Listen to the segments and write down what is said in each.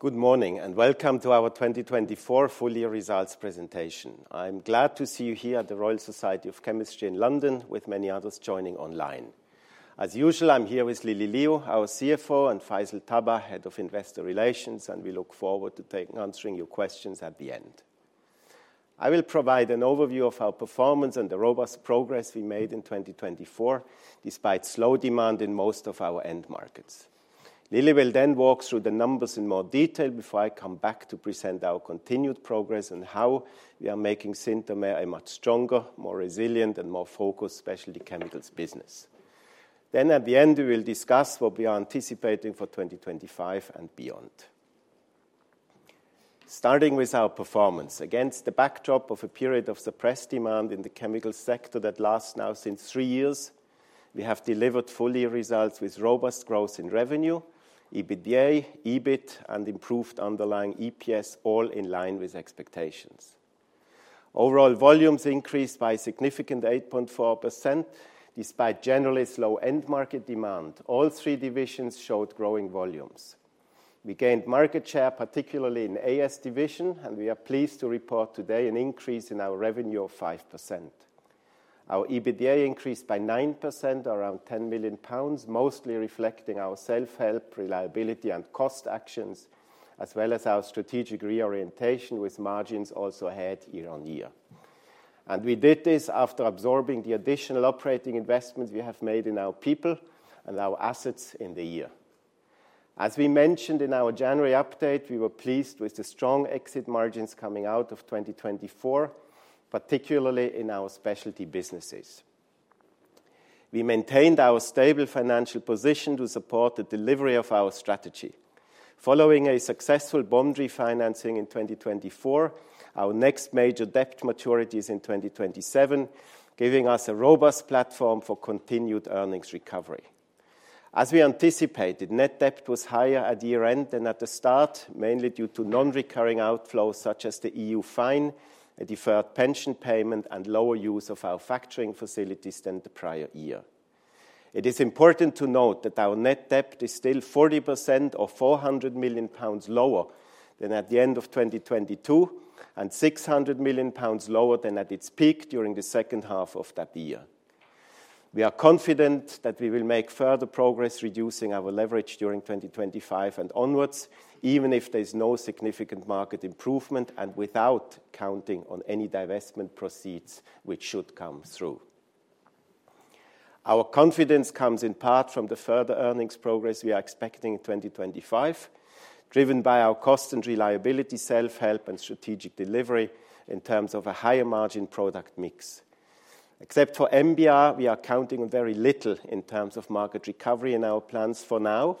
Good morning and welcome to our 2024 Full-year Results Presentation. I'm glad to see you here at the Royal Society of Chemistry in London, with many others joining online. As usual, I'm here with Lily Liu, our CFO, and Faisal Tabbah, Head of Investor Relations, and we look forward to answering your questions at the end. I will provide an overview of our performance and the robust progress we made in 2024, despite slow demand in most of our end markets. Lily will then walk through the numbers in more detail before I come back to present our continued progress and how we are making Synthomer a much stronger, more resilient, and more focused specialty chemicals business. At the end, we will discuss what we are anticipating for 2025 and beyond. Starting with our performance, against the backdrop of a period of suppressed demand in the chemicals sector that lasts now since three years, we have delivered full-year results with robust growth in revenue, EBITDA, EBIT, and improved underlying EPS, all in line with expectations. Overall volumes increased by a significant 8.4%, despite generally slow end market demand. All three divisions showed growing volumes. We gained market share, particularly in the AS division, and we are pleased to report today an increase in our revenue of 5%. Our EBITDA increased by 9%, around 10 million pounds, mostly reflecting our self-help, reliability, and cost actions, as well as our strategic reorientation with margins also ahead year on year. We did this after absorbing the additional operating investments we have made in our people and our assets in the year. As we mentioned in our January update, we were pleased with the strong exit margins coming out of 2024, particularly in our specialty businesses. We maintained our stable financial position to support the delivery of our strategy. Following a successful bond refinancing in 2024, our next major debt maturity is in 2027, giving U.S. a robust platform for continued earnings recovery. As we anticipated, net debt was higher at year-end than at the start, mainly due to non-recurring outflows such as the EU fine, a deferred pension payment, and lower use of our factoring facilities than the prior year. It is important to note that our net debt is still 40% or 400 million pounds lower than at the end of 2022, and 600 million pounds lower than at its peak during the second half of that year. We are confident that we will make further progress reducing our leverage during 2025 and onwards, even if there is no significant market improvement and without counting on any divestment proceeds which should come through. Our confidence comes in part from the further earnings progress we are expecting in 2025, driven by our cost and reliability, self-help, and strategic delivery in terms of a higher margin product mix. Except for NBR, we are counting on very little in terms of market recovery in our plans for now,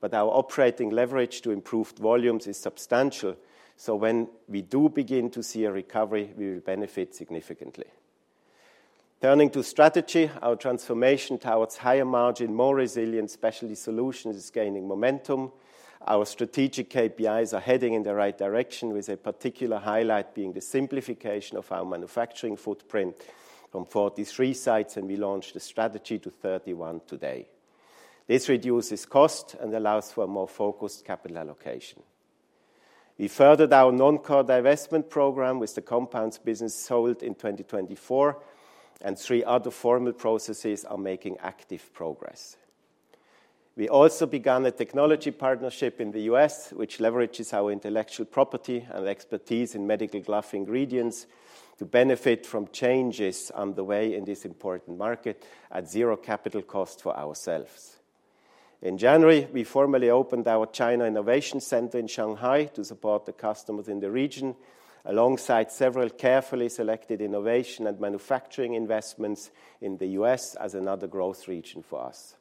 but our operating leverage to improved volumes is substantial, so when we do begin to see a recovery, we will benefit significantly. Turning to strategy, our transformation towards higher margin, more resilient specialty solutions is gaining momentum. Our strategic KPIs are heading in the right direction, with a particular highlight being the simplification of our manufacturing footprint from 43 sites, and we launched the strategy to 31 today. This reduces cost and allows for a more focused capital allocation. We furthered our non-core divestment program with the compounds business sold in 2024, and three other formal processes are making active progress. We also began a technology partnership in the U.S., which leverages our intellectual property and expertise in medical glove ingredients to benefit from changes underway in this important market at zero capital cost for ourselves. In January, we formally opened our China Innovation Center in Shanghai to support the customers in the region, alongside several carefully selected innovation and manufacturing investments in the U.S. as another growth region for us.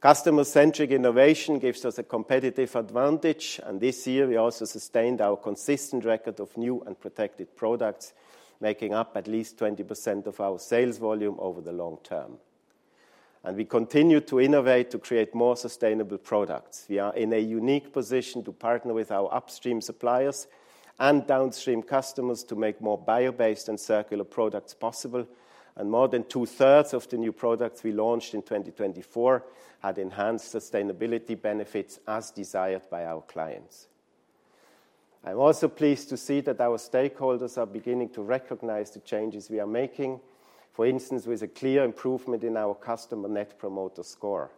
Customer-centric innovation gives us a competitive advantage, and this year we also sustained our consistent record of new and protected products making up at least 20% of our sales volume over the long term. We continue to innovate to create more sustainable products. We are in a unique position to partner with our upstream suppliers and downstream customers to make more bio-based and circular products possible, and more than 2/3 of the new products we launched in 2024 had enhanced sustainability benefits as desired by our clients. I'm also pleased to see that our stakeholders are beginning to recognize the changes we are making, for instance, with a clear improvement in our customer Net Promoter Score.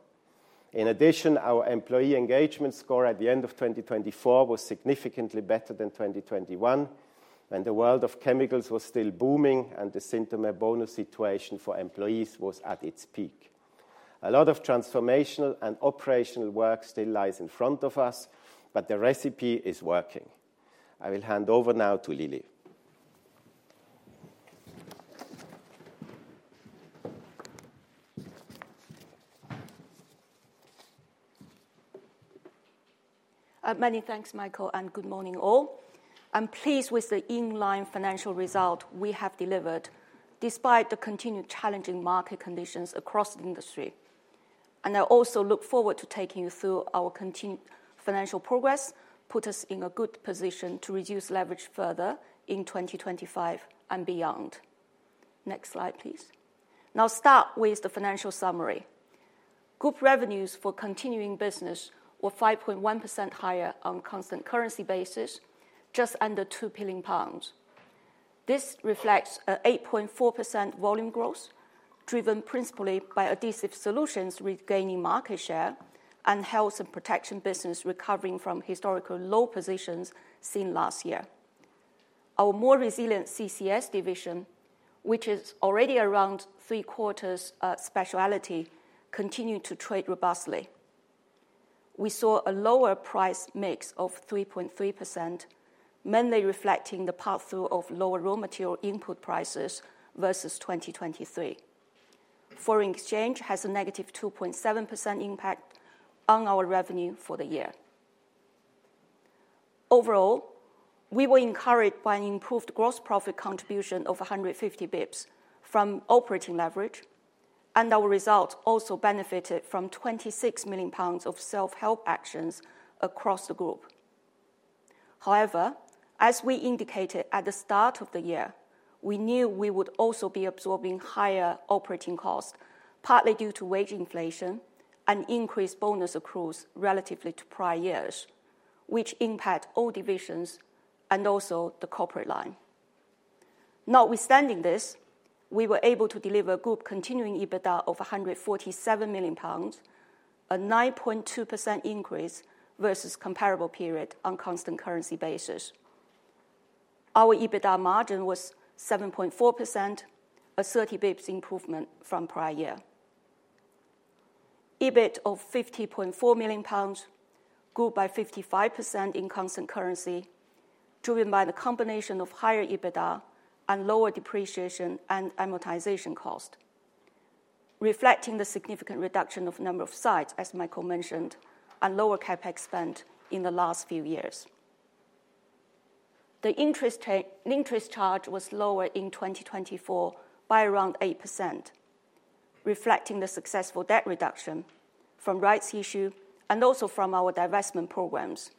In addition, our employee engagement score at the end of 2024 was significantly better than 2021, and the world of chemicals was still booming, and the Synthomer bonus situation for employees was at its peak. A lot of transformational and operational work still lies in front of us, but the recipe is working. I will hand over now to Lily. Many thanks, Michael, and good morning, all. I'm pleased with the inline financial result we have delivered, despite the continued challenging market conditions across the industry. I also look forward to taking you through our continued financial progress, which puts us in a good position to reduce leverage further in 2025 and beyond. Next slide, please. Now, I'll start with the financial summary. Group revenues for continuing business were 5.1% higher on a constant currency basis, just under 2 billion pounds. This reflects an 8.4% volume growth, driven principally by Adhesive Solutions regaining market share and Health and Protection business recovering from historical low positions seen last year. Our more resilient CCS division, which is already around three-quarters specialty, continued to trade robustly. We saw a lower price mix of 3.3%, mainly reflecting the pass through of lower raw material input prices versus 2023. Foreign exchange has a negative 2.7% impact on our revenue for the year. Overall, we were encouraged by an improved gross profit contribution of 150 basis points from operating leverage, and our result also benefited from 26 million pounds of self-help actions across the group. However, as we indicated at the start of the year, we knew we would also be absorbing higher operating costs, partly due to wage inflation and increased bonus accruals relative to prior years, which impact all divisions and also the corporate line. Notwithstanding this, we were able to deliver a group continuing EBITDA of 147 million pounds, a 9.2% increase versus a comparable period on a constant currency basis. Our EBITDA margin was 7.4%, a 30 basis points improvement from prior year. EBIT of 50.4 million pounds, grew by 55% in constant currency, driven by the combination of higher EBITDA and lower depreciation and amortization cost, reflecting the significant reduction of the number of sites, as Michael mentioned, and lower CapEx spend in the last few years. The interest charge was lower in 2024 by around 8%, reflecting the successful debt reduction from rights issue and also from our divestment programs,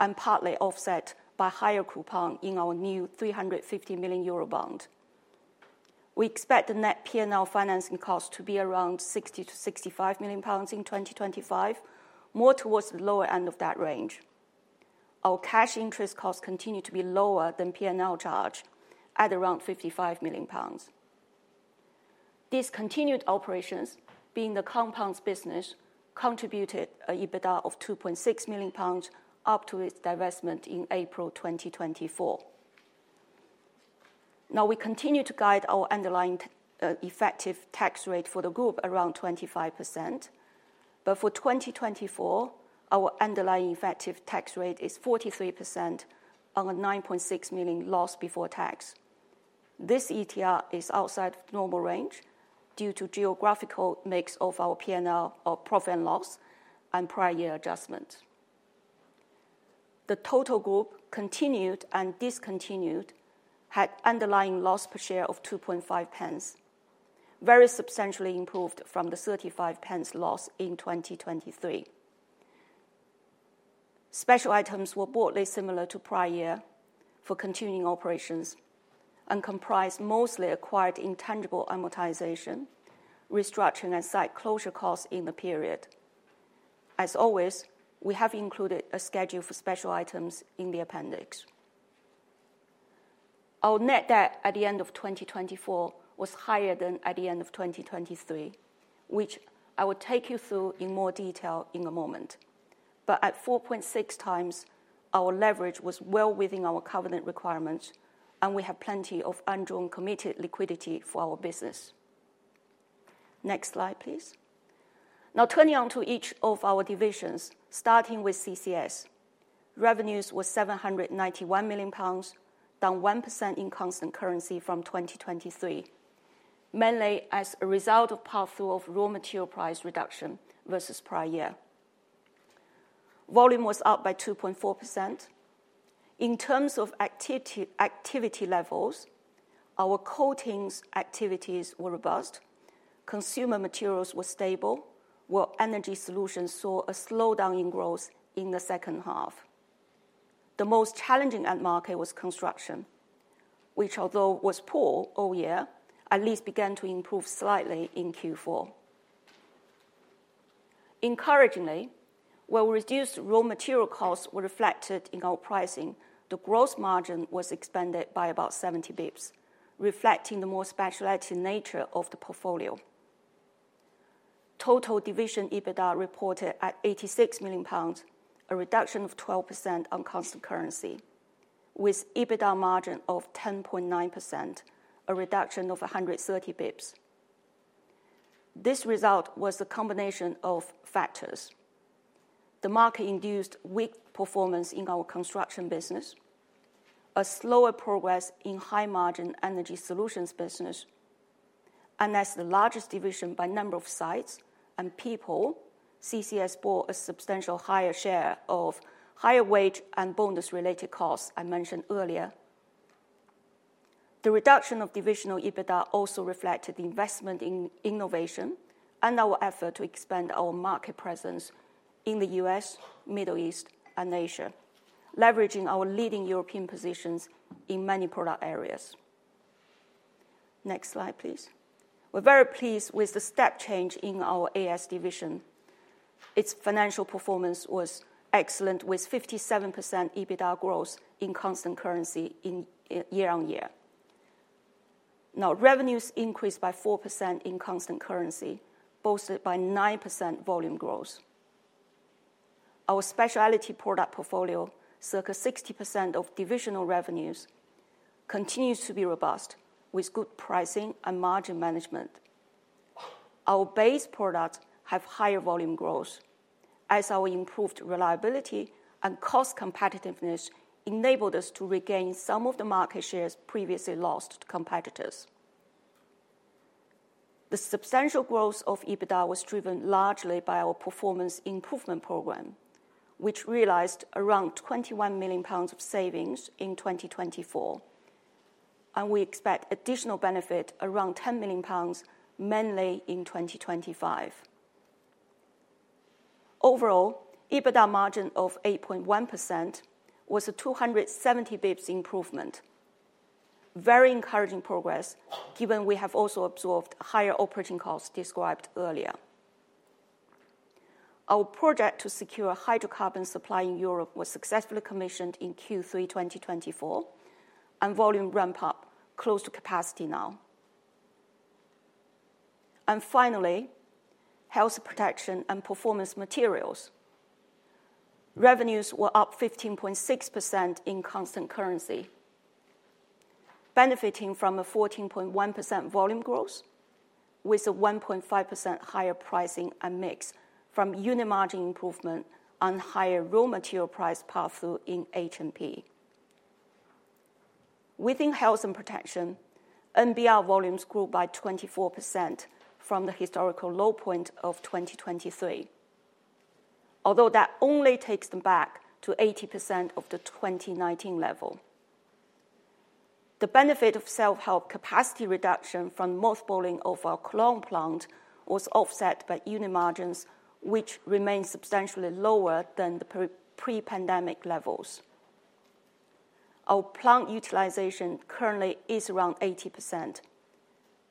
and partly offset by higher coupon in our new 350 million euro bond. `We expect the net P&L financing cost to be around 60-65 million pounds in 2025, more towards the lower end of that range. Our cash interest costs continue to be lower than P&L charge, at around 55 million pounds. These continued operations, being the compounds business, contributed an EBITDA of 2.6 million pounds up to its divestment in April 2024. Now, we continue to guide our underlying effective tax rate for the group around 25%, but for 2024, our underlying effective tax rate is 43% on a 9.6 million loss before tax. This ETR is outside of the normal range due to the geographical mix of our P&L of profit and loss and prior year adjustments. The total group continued and discontinued had an underlying loss per share of 0.025, very substantially improved from the 0.35 loss in 2023. Special items were broadly similar to prior year for continuing operations and comprised mostly acquired intangible amortization, restructuring, and site closure costs in the period. As always, we have included a schedule for special items in the appendix. Our net debt at the end of 2024 was higher than at the end of 2023, which I will take you through in more detail in a moment, but at 4.6 times, our leverage was well within our covenant requirements, and we have plenty of undrawn committed liquidity for our business. Next slide, please. Now, turning on to each of our divisions, starting with CCS. Revenues were 791 million pounds, down 1% in constant currency from 2023, mainly as a result of the pass-through of raw material price reduction versus prior year. Volume was up by 2.4%. In terms of activity levels, our coatings activities were robust, consumer materials were stable, while energy solutions saw a slowdown in growth in the second half. The most challenging end market was construction, which, although was poor all year, at least began to improve slightly in Q4. Encouragingly, while reduced raw material costs were reflected in our pricing, the gross margin was expanded by about 70 basis points, reflecting the more specialized nature of the portfolio. Total division EBITDA reported at 86 million pounds, a reduction of 12% on constant currency, with EBITDA margin of 10.9%, a reduction of 130 basis points. This result was a combination of factors. The market induced weak performance in our construction business, a slower progress in high-margin energy solutions business, and as the largest division by number of sites and people, CCS bore a substantially higher share of higher wage and bonus-related costs I mentioned earlier. The reduction of divisional EBITDA also reflected the investment in innovation and our effort to expand our market presence in the U.S., Middle East, and Asia, leveraging our leading European positions in many product areas. Next slide, please. We're very pleased with the step change in our AS division. Its financial performance was excellent, with 57% EBITDA growth in constant currency year-on-year. Now, revenues increased by 4% in constant currency, bolstered by 9% volume growth. Our specialty product portfolio, circa 60% of divisional revenues, continues to be robust, with good pricing and margin management. Our base products have higher volume growth, as our improved reliability and cost competitiveness enabled us to regain some of the market shares previously lost to competitors. The substantial growth of EBITDA was driven largely by our performance improvement program, which realized around 21 million pounds of savings in 2024, and we expect additional benefit around 10 million pounds, mainly in 2025. Overall, EBITDA margin of 8.1% was a 270 basis points improvement, very encouraging progress, given we have also absorbed higher operating costs described earlier. Our project to secure hydrocarbon supply in Europe was successfully commissioned in Q3 2024, and volume ramped up close to capacity now. Finally, Health, Protection, and Performance Materials. Revenues were up 15.6% in constant currency, benefiting from a 14.1% volume growth, with a 1.5% higher pricing and mix from unit margin improvement and higher raw material price pass-through in H&P. Within Health and Protection, NBR volumes grew by 24% from the historical low point of 2023, although that only takes them back to 80% of the 2019 level. The benefit of self-help capacity reduction from the mothballing of our Cologne plant was offset by unit margins, which remained substantially lower than the pre-pandemic levels. Our plant utilization currently is around 80%,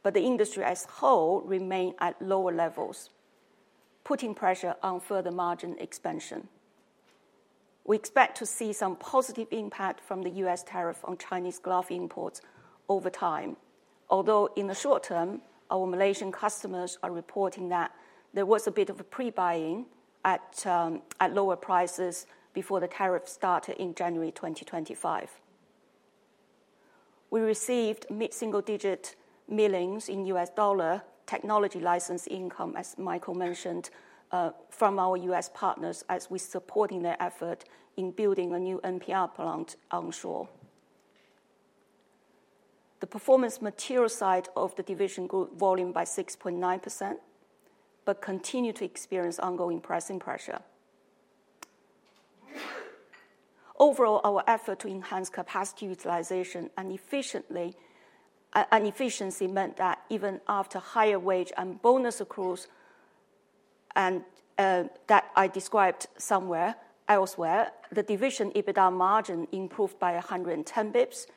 but the industry as a whole remained at lower levels, putting pressure on further margin expansion. We expect to see some positive impact from the U.S. tariff on Chinese glove imports over time, although in the short term, our Malaysian customers are reporting that there was a bit of a pre-buying at lower prices before the tariff started in January 2025. We received mid-single-digit millions in $ technology license income, as Michael mentioned, from our U.S. partners as we supported their effort in building a new NBR plant onshore. The Performance Materials side of the division grew volume by 6.9% but continued to experience ongoing pricing pressure. Overall, our effort to enhance capacity utilization and efficiency meant that even after higher wage and bonus accruals that I described somewhere elsewhere, the division EBITDA margin improved by 110 basis points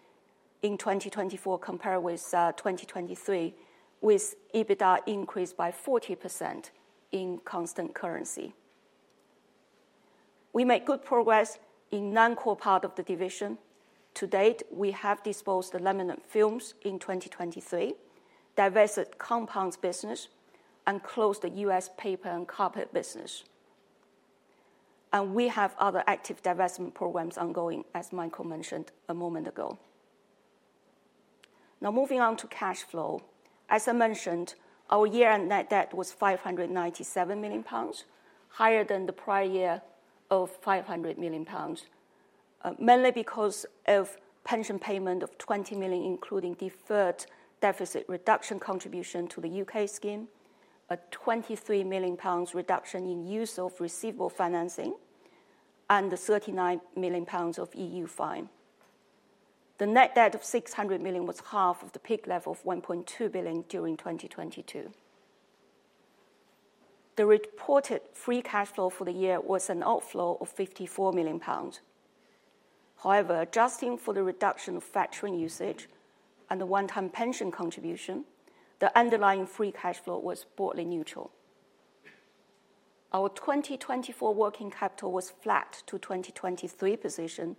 in 2024 compared with 2023, with EBITDA increased by 40% in constant currency. We made good progress in the non-core part of the division. To date, we have disposed of laminate films in 2023, divested compounds business, and closed the U.S. paper and carpet business. We have other active divestment programs ongoing, as Michael mentioned a moment ago. Now, moving on to cash flow. As I mentioned, our year-end net debt was 597 million pounds, higher than the prior year of 500 million pounds, mainly because of pension payment of 20 million, including deferred deficit reduction contribution to the U.K. scheme, a 23 million pounds reduction in use of receivable financing, and the 39 million pounds of EU fine. The net debt of 600 million was half of the peak level of 1.2 billion during 2022. The reported free cash flow for the year was an outflow of 54 million pounds. However, adjusting for the reduction of factoring usage and the one-time pension contribution, the underlying free cash flow was broadly neutral. Our 2024 working capital was flat to 2023 position,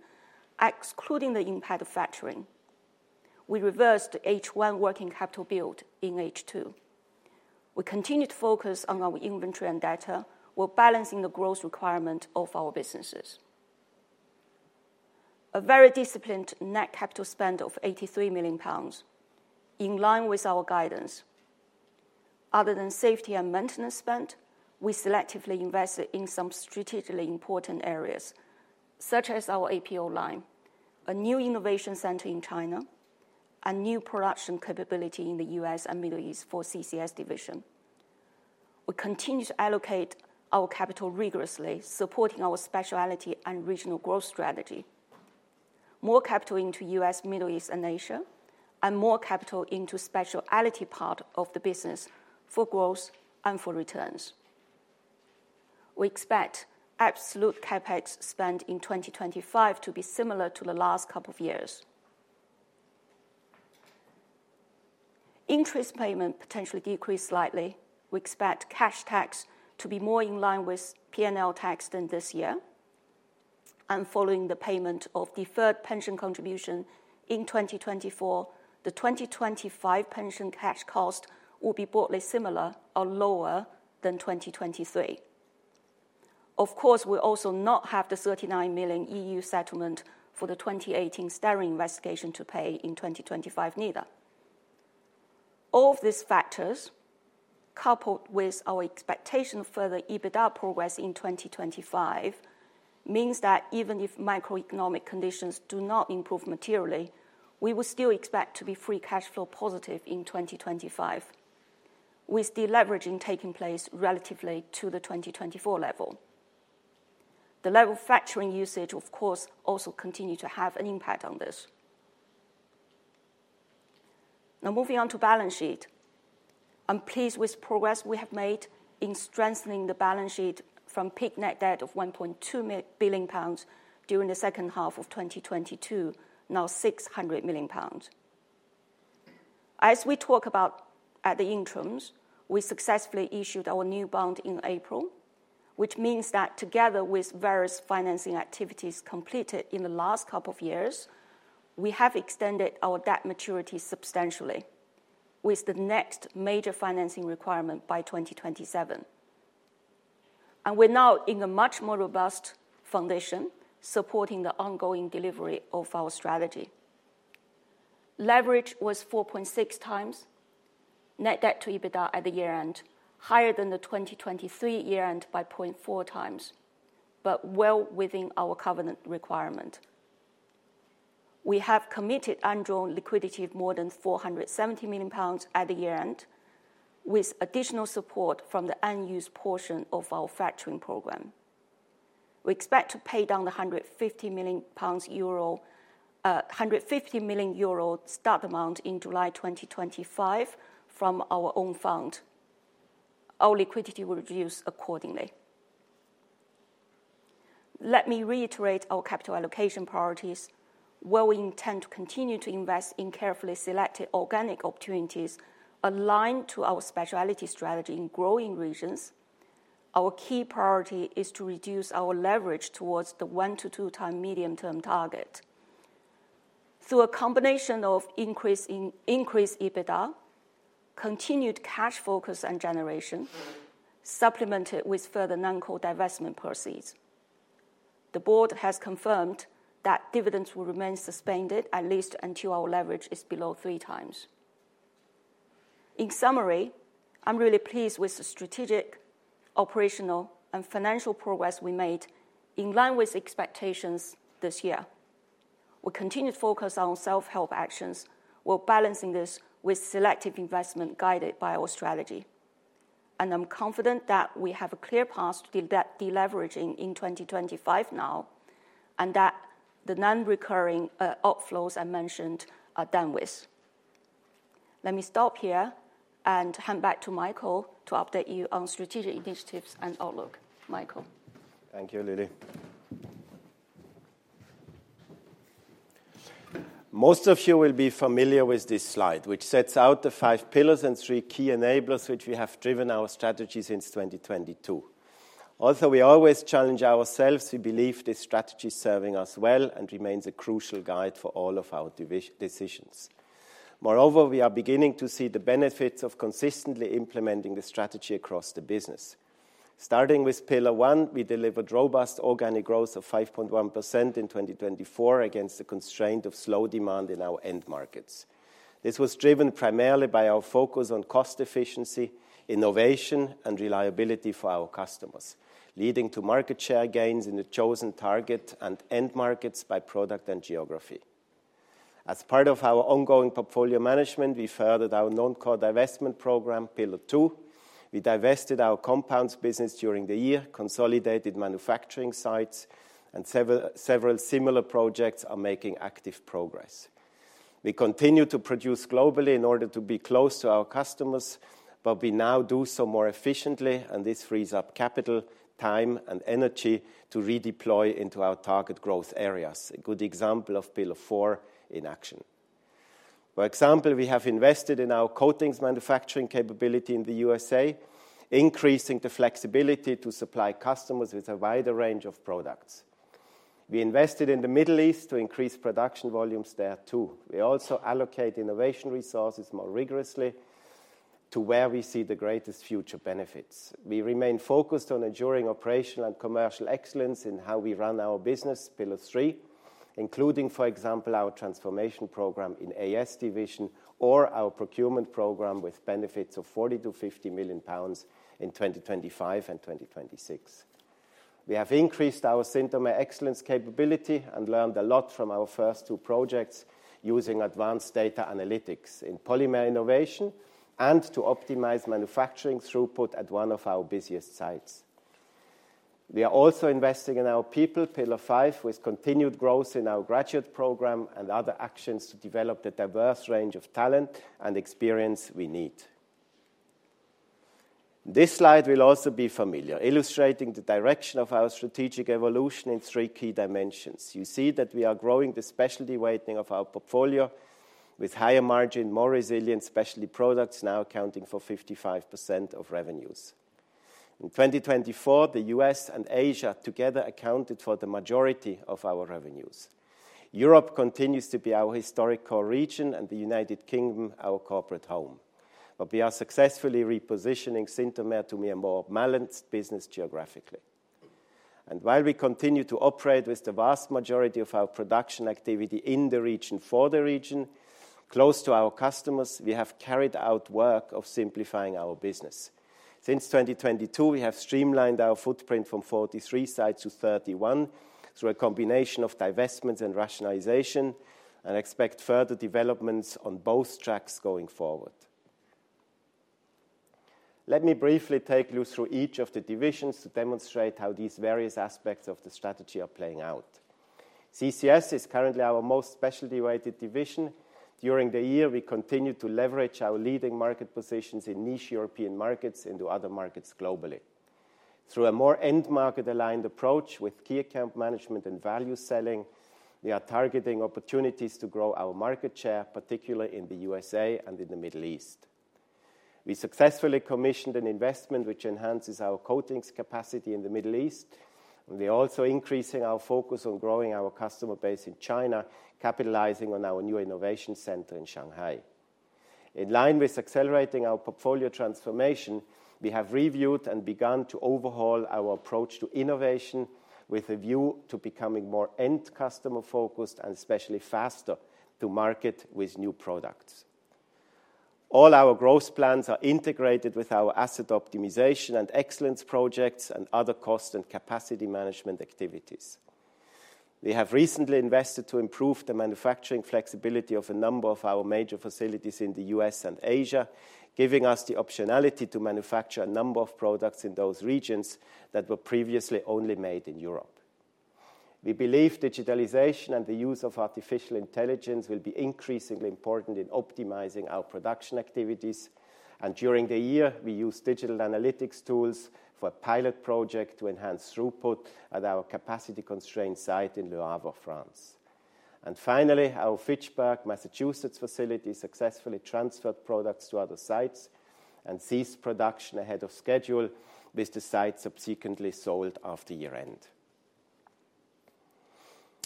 excluding the impact of factoring. We reversed H1 working capital build in H2. We continued to focus on our inventory and data, while balancing the growth requirement of our businesses. A very disciplined net capital spend of 83 million pounds, in line with our guidance. Other than safety and maintenance spend, we selectively invested in some strategically important areas, such as our APO line, a new innovation center in China, and new production capability in the U.S. and Middle East for CCS division. We continue to allocate our capital rigorously, supporting our specialty and regional growth strategy. More capital into U.S., Middle East, and Asia, and more capital into the specialty part of the business for growth and for returns. We expect absolute CapEx spend in 2025 to be similar to the last couple of years. Interest payment potentially decreased slightly. We expect cash tax to be more in line with P&L tax than this year. Following the payment of deferred pension contribution in 2024, the 2025 pension cash cost will be broadly similar or lower than 2023. Of course, we also do not have the 39 million EU settlement for the 2018 styrene investigation to pay in 2025 neither. All of these factors, coupled with our expectation of further EBITDA progress in 2025, means that even if macroeconomic conditions do not improve materially, we will still expect to be free cash flow positive in 2025, with the leveraging taking place relatively to the 2024 level. The level of factoring usage, of course, also continues to have an impact on this. Now, moving on to balance sheet. I'm pleased with the progress we have made in strengthening the balance sheet from peak net debt of 1.2 billion pounds during the second half of 2022, now 600 million pounds. As we talk about at the interims, we successfully issued our new bond in April, which means that together with various financing activities completed in the last couple of years, we have extended our debt maturity substantially, with the next major financing requirement by 2027. We are now in a much more robust foundation supporting the ongoing delivery of our strategy. Leverage was 4.6 times net debt to EBITDA at the year-end, higher than the 2023 year-end by 0.4 times, but well within our covenant requirement. We have committed undrawn liquidity of more than 470 million pounds at the year-end, with additional support from the unused portion of our factoring program. We expect to pay down the EUR 150 million start amount in July 2025 from our own fund. Our liquidity will reduce accordingly. Let me reiterate our capital allocation priorities, where we intend to continue to invest in carefully selected organic opportunities aligned to our specialty strategy in growing regions. Our key priority is to reduce our leverage towards the one to two-time medium-term target through a combination of increased EBITDA, continued cash focus and generation, supplemented with further non-core divestment proceeds. The board has confirmed that dividends will remain suspended at least until our leverage is below three times. In summary, I'm really pleased with the strategic, operational, and financial progress we made in line with expectations this year. We continued to focus on self-help actions, while balancing this with selective investment guided by our strategy. I'm confident that we have a clear path to deleveraging in 2025 now, and that the non-recurring outflows I mentioned are done with. Let me stop here and hand back to Michael to update you on strategic initiatives and outlook. Michael. Thank you, Lily. Most of you will be familiar with this slide, which sets out the five pillars and three key enablers which we have driven our strategy since 2022. Although we always challenge ourselves, we believe this strategy is serving us well and remains a crucial guide for all of our decisions. Moreover, we are beginning to see the benefits of consistently implementing the strategy across the business. Starting with Pillar One, we delivered robust organic growth of 5.1% in 2024 against the constraint of slow demand in our end markets. This was driven primarily by our focus on cost efficiency, innovation, and reliability for our customers, leading to market share gains in the chosen target and end markets by product and geography. As part of our ongoing portfolio management, we furthered our non-core divestment program, Pillar Two. We divested our compounds business during the year, consolidated manufacturing sites, and several similar projects are making active progress. We continue to produce globally in order to be close to our customers, but we now do so more efficiently, and this frees up capital, time, and energy to redeploy into our target growth areas, a good example of Pillar Four in action. For example, we have invested in our coatings manufacturing capability in the U.S., increasing the flexibility to supply customers with a wider range of products. We invested in the Middle East to increase production volumes there too. We also allocate innovation resources more rigorously to where we see the greatest future benefits. We remain focused on ensuring operational and commercial excellence in how we run our business, Pillar Three, including, for example, our transformation program in AS division or our procurement program with benefits of 40 million-50 million pounds in 2025 and 2026. We have increased our Synthomer Excellence capability and learned a lot from our first two projects using advanced data analytics in polymer innovation and to optimize manufacturing throughput at one of our busiest sites. We are also investing in our people, Pillar Five, with continued growth in our graduate program and other actions to develop the diverse range of talent and experience we need. This slide will also be familiar, illustrating the direction of our strategic evolution in three key dimensions. You see that we are growing the specialty weighting of our portfolio with higher margin, more resilient specialty products now accounting for 55% of revenues. In 2024, the U.S. and Asia together accounted for the majority of our revenues. Europe continues to be our historic core region, and the United Kingdom our corporate home. We are successfully repositioning Synthomer to be a more balanced business geographically. While we continue to operate with the vast majority of our production activity in the region for the region, close to our customers, we have carried out work of simplifying our business. Since 2022, we have streamlined our footprint from 43 sites to 31 through a combination of divestments and rationalization, and expect further developments on both tracks going forward. Let me briefly take you through each of the divisions to demonstrate how these various aspects of the strategy are playing out. CCS is currently our most specialty-weighted division. During the year, we continue to leverage our leading market positions in niche European markets and to other markets globally. Through a more end-market-aligned approach with key account management and value selling, we are targeting opportunities to grow our market share, particularly in the U.S.A. and in the Middle East. We successfully commissioned an investment which enhances our coatings capacity in the Middle East, and we are also increasing our focus on growing our customer base in China, capitalizing on our new innovation center in Shanghai. In line with accelerating our portfolio transformation, we have reviewed and begun to overhaul our approach to innovation with a view to becoming more end-customer-focused and especially faster to market with new products. All our growth plans are integrated with our asset optimization and excellence projects and other cost and capacity management activities. We have recently invested to improve the manufacturing flexibility of a number of our major facilities in the U.S. and Asia, giving us the optionality to manufacture a number of products in those regions that were previously only made in Europe. We believe digitalization and the use of artificial intelligence will be increasingly important in optimizing our production activities. During the year, we used digital analytics tools for a pilot project to enhance throughput at our capacity-constrained site in Le Havre, France. Finally, our Fitchburg, Massachusetts facility successfully transferred products to other sites and ceased production ahead of schedule, with the sites subsequently sold after year-end.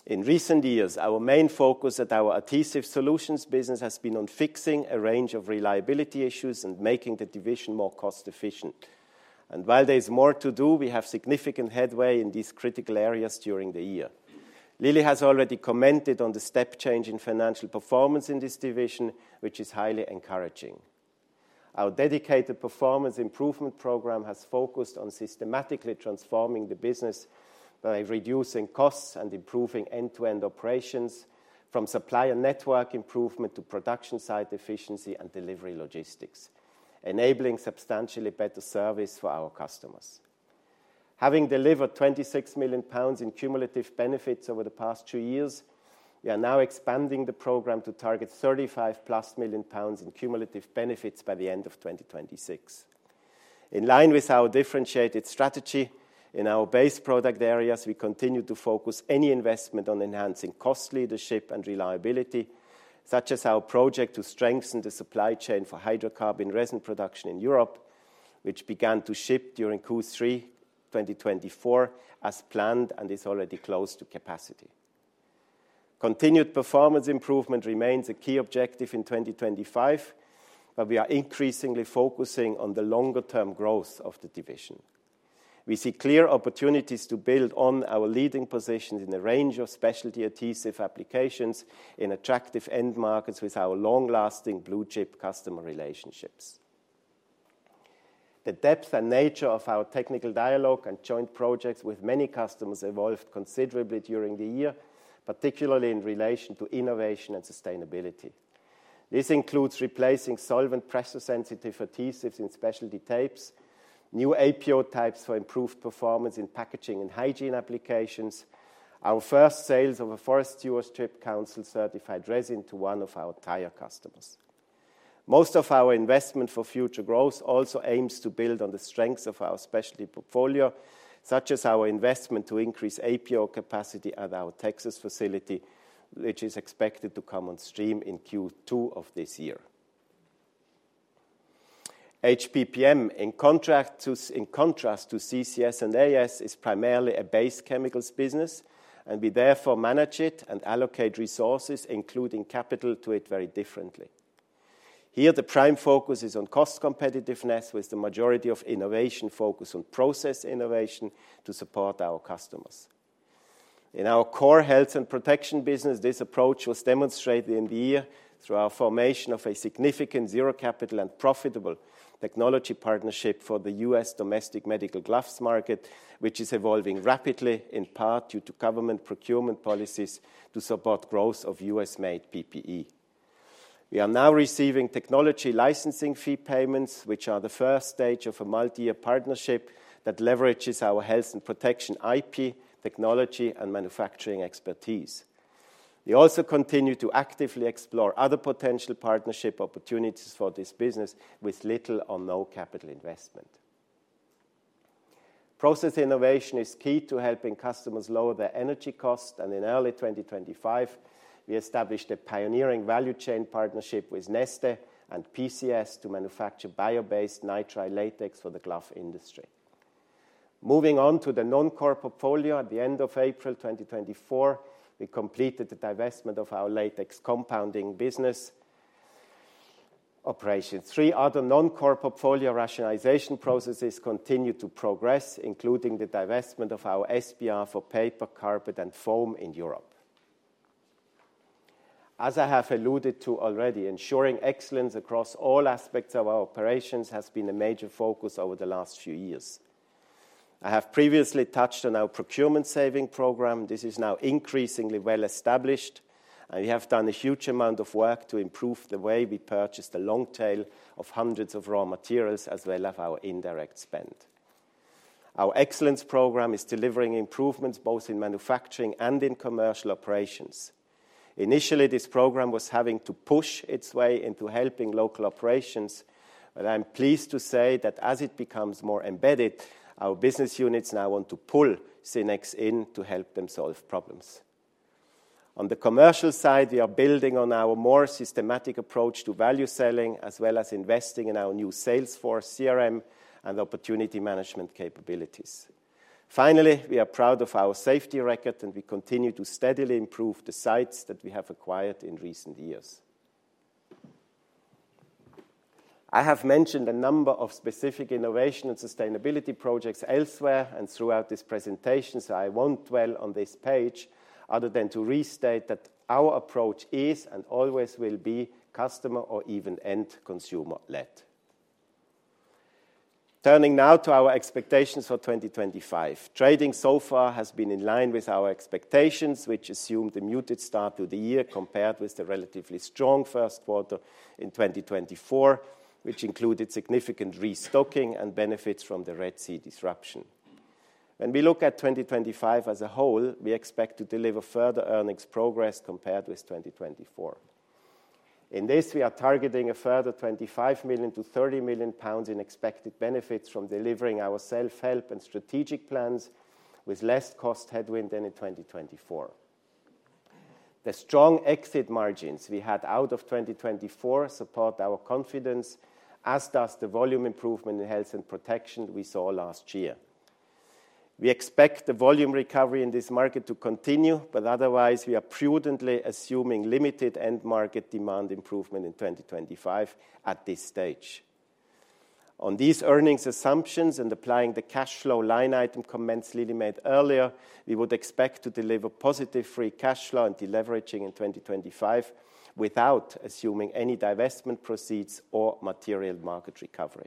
In recent years, our main focus at our Adhesive Solutions business has been on fixing a range of reliability issues and making the division more cost-efficient. While there is more to do, we have significant headway in these critical areas during the year. Lily has already commented on the step change in financial performance in this division, which is highly encouraging. Our dedicated performance improvement program has focused on systematically transforming the business by reducing costs and improving end-to-end operations, from supplier network improvement to production site efficiency and delivery logistics, enabling substantially better service for our customers. Having delivered 26 million pounds in cumulative benefits over the past two years, we are now expanding the program to target 35+ million pounds in cumulative benefits by the end of 2026. In line with our differentiated strategy in our base product areas, we continue to focus any investment on enhancing cost leadership and reliability, such as our project to strengthen the supply chain for hydrocarbon resin production in Europe, which began to ship during Q3 2024 as planned and is already close to capacity. Continued performance improvement remains a key objective in 2025, but we are increasingly focusing on the longer-term growth of the division. We see clear opportunities to build on our leading positions in a range of specialty adhesive applications in attractive end markets with our long-lasting blue chip customer relationships. The depth and nature of our technical dialogue and joint projects with many customers evolved considerably during the year, particularly in relation to innovation and sustainability. This includes replacing solvent pressure-sensitive adhesives in specialty tapes, new APO types for improved performance in packaging and hygiene applications, our first sales of a Forest Stewardship Council-certified resin to one of our tire customers. Most of our investment for future growth also aims to build on the strengths of our specialty portfolio, such as our investment to increase APO capacity at our Texas facility, which is expected to come on stream in Q2 of this year. HPPM, in contrast to CCS and AS, is primarily a base chemicals business, and we therefore manage it and allocate resources, including capital, to it very differently. Here, the prime focus is on cost competitiveness with the majority of innovation focused on process innovation to support our customers. In our core Health and Protection business, this approach was demonstrated in the year through our formation of a significant zero-capital and profitable technology partnership for the U.S. domestic medical gloves market, which is evolving rapidly, in part due to government procurement policies to support growth of U.S.-made PPE. We are now receiving technology licensing fee payments, which are the first stage of a multi-year partnership that leverages our Health and Protection IP, technology, and manufacturing expertise. We also continue to actively explore other potential partnership opportunities for this business with little or no capital investment. Process innovation is key to helping customers lower their energy costs, and in early 2025, we established a pioneering value chain partnership with Neste and PCG to manufacture bio-based nitrile latex for the glove industry. Moving on to the non-core portfolio, at the end of April 2024, we completed the divestment of our latex compounding business operations. Three other non-core portfolio rationalization processes continue to progress, including the divestment of our SBR for paper, carpet, and foam in Europe. As I have alluded to already, ensuring excellence across all aspects of our operations has been a major focus over the last few years. I have previously touched on our procurement saving program. This is now increasingly well established, and we have done a huge amount of work to improve the way we purchase the long tail of hundreds of raw materials as well as our indirect spend. Our excellence program is delivering improvements both in manufacturing and in commercial operations. Initially, this program was having to push its way into helping local operations, but I'm pleased to say that as it becomes more embedded, our business units now want to pull SynEx in to help them solve problems. On the commercial side, we are building on our more systematic approach to value selling as well as investing in our new sales force, CRM, and opportunity management capabilities. Finally, we are proud of our safety record, and we continue to steadily improve the sites that we have acquired in recent years. I have mentioned a number of specific innovation and sustainability projects elsewhere and throughout this presentation, so I won't dwell on this page other than to restate that our approach is and always will be customer or even end consumer-led. Turning now to our expectations for 2025, trading so far has been in line with our expectations, which assumed a muted start to the year compared with the relatively strong Q1 in 2024, which included significant restocking and benefits from the Red Sea disruption. When we look at 2025 as a whole, we expect to deliver further earnings progress compared with 2024. In this, we are targeting a further 25 million-30 million pounds in expected benefits from delivering our self-help and strategic plans with less cost headwind than in 2024. The strong exit margins we had out of 2024 support our confidence, as does the volume improvement in Health and Protection we saw last year. We expect the volume recovery in this market to continue, but otherwise, we are prudently assuming limited end-market demand improvement in 2025 at this stage. On these earnings assumptions and applying the cash flow line item comments Lily made earlier, we would expect to deliver positive free cash flow and deleveraging in 2025 without assuming any divestment proceeds or material market recovery.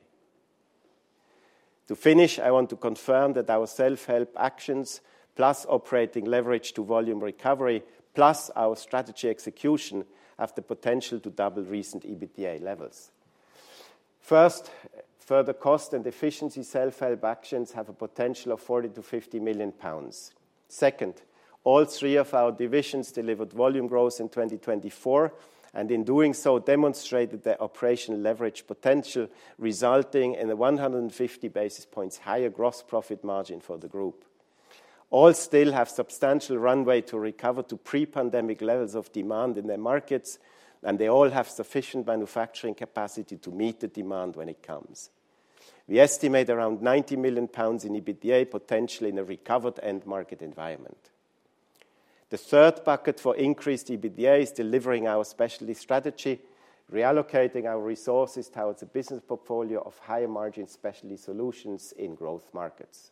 To finish, I want to confirm that our self-help actions, plus operating leverage to volume recovery, plus our strategy execution, have the potential to double recent EBITDA levels. First, further cost and efficiency self-help actions have a potential of 40 million to 50 million pounds. Second, all three of our divisions delivered volume growth in 2024 and, in doing so, demonstrated their operational leverage potential, resulting in a 150 basis points higher gross profit margin for the group. All still have substantial runway to recover to pre-pandemic levels of demand in their markets, and they all have sufficient manufacturing capacity to meet the demand when it comes. We estimate around 90 million pounds in EBITDA potential in a recovered end-market environment. The third bucket for increased EBITDA is delivering our specialty strategy, reallocating our resources towards a business portfolio of higher-margin specialty solutions in growth markets.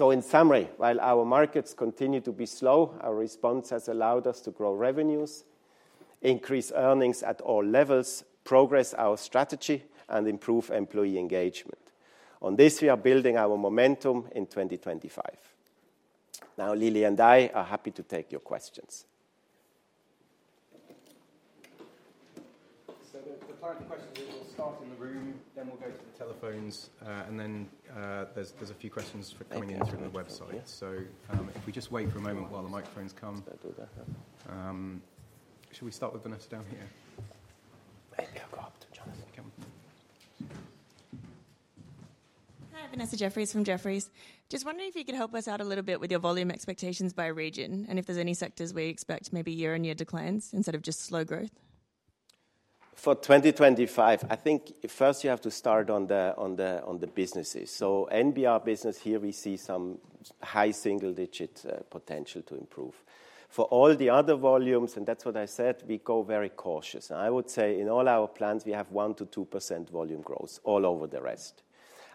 In summary, while our markets continue to be slow, our response has allowed us to grow revenues, increase earnings at all levels, progress our strategy, and improve employee engagement. On this, we are building our momentum in 2025. Now, Lily and I are happy to take your questions. The current question is we'll start in the room, then we'll go to the telephones, and then there are a few questions coming in through the website. If we just wait for a moment while the microphones come. Don't do that. Should we start with Vanessa down here? Maybe I'll go up to Jonathan. Okay. Hi, Vanessa Jeffriess from Jefferies. Just wondering if you could help us out a little bit with your volume expectations by region and if there's any sectors where you expect maybe year-on-year declines instead of just slow growth. For 2025, I think first you have to start on the businesses. NBR business here, we see some high single-digit potential to improve. For all the other volumes, and that's what I said, we go very cautious. I would say in all our plans, we have 1%-2% volume growth all over the rest.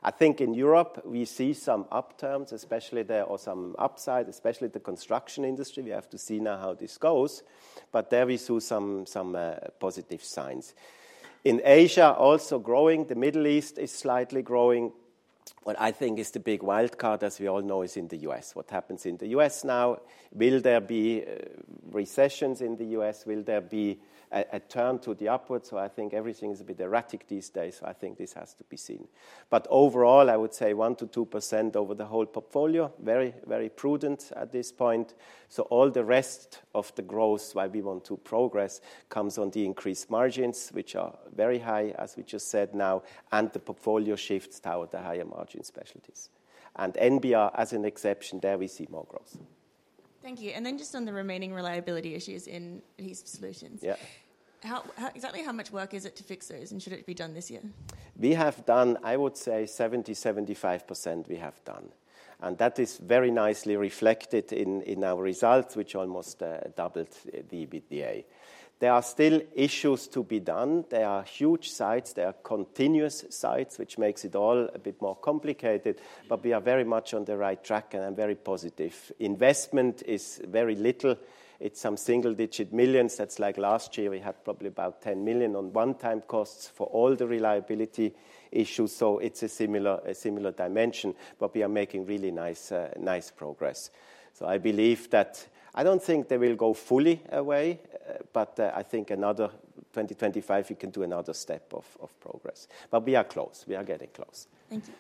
I think in Europe, we see some upturns, especially there or some upside, especially the construction industry. We have to see now how this goes, but there we see some positive signs. In Asia, also growing, the Middle East is slightly growing. What I think is the big wildcard, as we all know, is in the U.S. What happens in the U.S. now? Will there be recessions in the U.S.? Will there be a turn to the upwards? I think everything is a bit erratic these days, so I think this has to be seen. Overall, I would say 1%-2% over the whole portfolio, very, very prudent at this point. All the rest of the growth, while we want to progress, comes on the increased margins, which are very high, as we just said now, and the portfolio shifts toward the higher margin specialties. NBR, as an exception, there we see more growth. Thank you. Just on the remaining reliability issues in Adhesive Solutions. Exactly how much work is it to fix those, and should it be done this year? We have done, I would say, 70%-75% we have done. That is very nicely reflected in our results, which almost doubled the EBITDA. There are still issues to be done. There are huge sites. There are continuous sites, which makes it all a bit more complicated, but we are very much on the right track, and I am very positive. Investment is very little. It is some single-digit millions. That is like last year. We had probably about 10 million on one-time costs for all the reliability issues, so it is a similar dimension, but we are making really nice progress. I believe that I do not think they will go fully away, but I think in another 2025, we can do another step of progress. We are close. We are getting close. Thank you.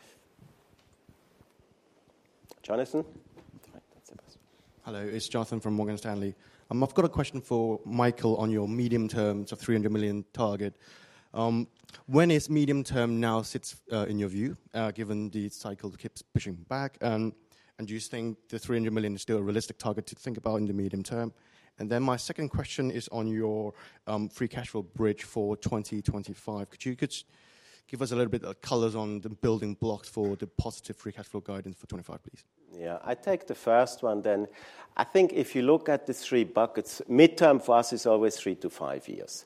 Jonathan? Hello, it's Jonathan from Morgan Stanley. I've got a question for Michael on your medium-term to 300 million target. When is medium-term now sits in your view, given the cycle keeps pushing back? Do you think the 300 million is still a realistic target to think about in the medium-term? My second question is on your free cash flow bridge for 2025. Could you give us a little bit of colors on the building blocks for the positive free cash flow guidance for 2025, please? Yeah, I take the first one then. I think if you look at the three buckets, midterm for us is always three to five years.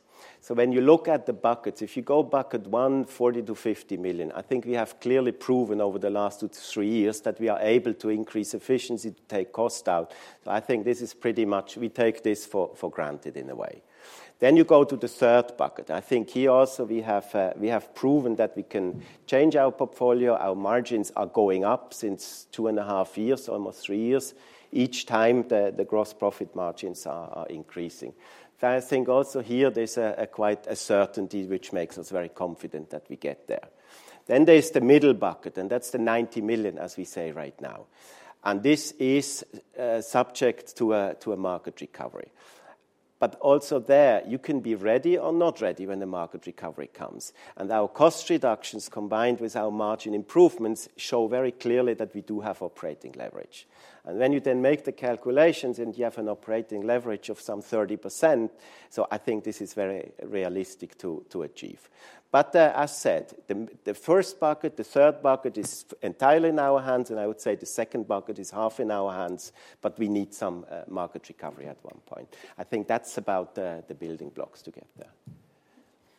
When you look at the buckets, if you go bucket one, 40 million to 50 million, I think we have clearly proven over the last two to three years that we are able to increase efficiency to take cost out. I think this is pretty much we take this for granted in a way. You go to the third bucket. I think here also we have proven that we can change our portfolio. Our margins are going up since two and a half years, almost three years, each time the gross profit margins are increasing. I think also here there's quite a certainty which makes us very confident that we get there. There is the middle bucket, and that is 90 million, as we say right now. This is subject to a market recovery. Also, you can be ready or not ready when the market recovery comes. Our cost reductions combined with our margin improvements show very clearly that we do have operating leverage. When you then make the calculations and you have an operating leverage of some 30%, I think this is very realistic to achieve. As said, the first bucket, the third bucket is entirely in our hands, and I would say the second bucket is half in our hands, but we need some market recovery at one point. I think that is about the building blocks to get there.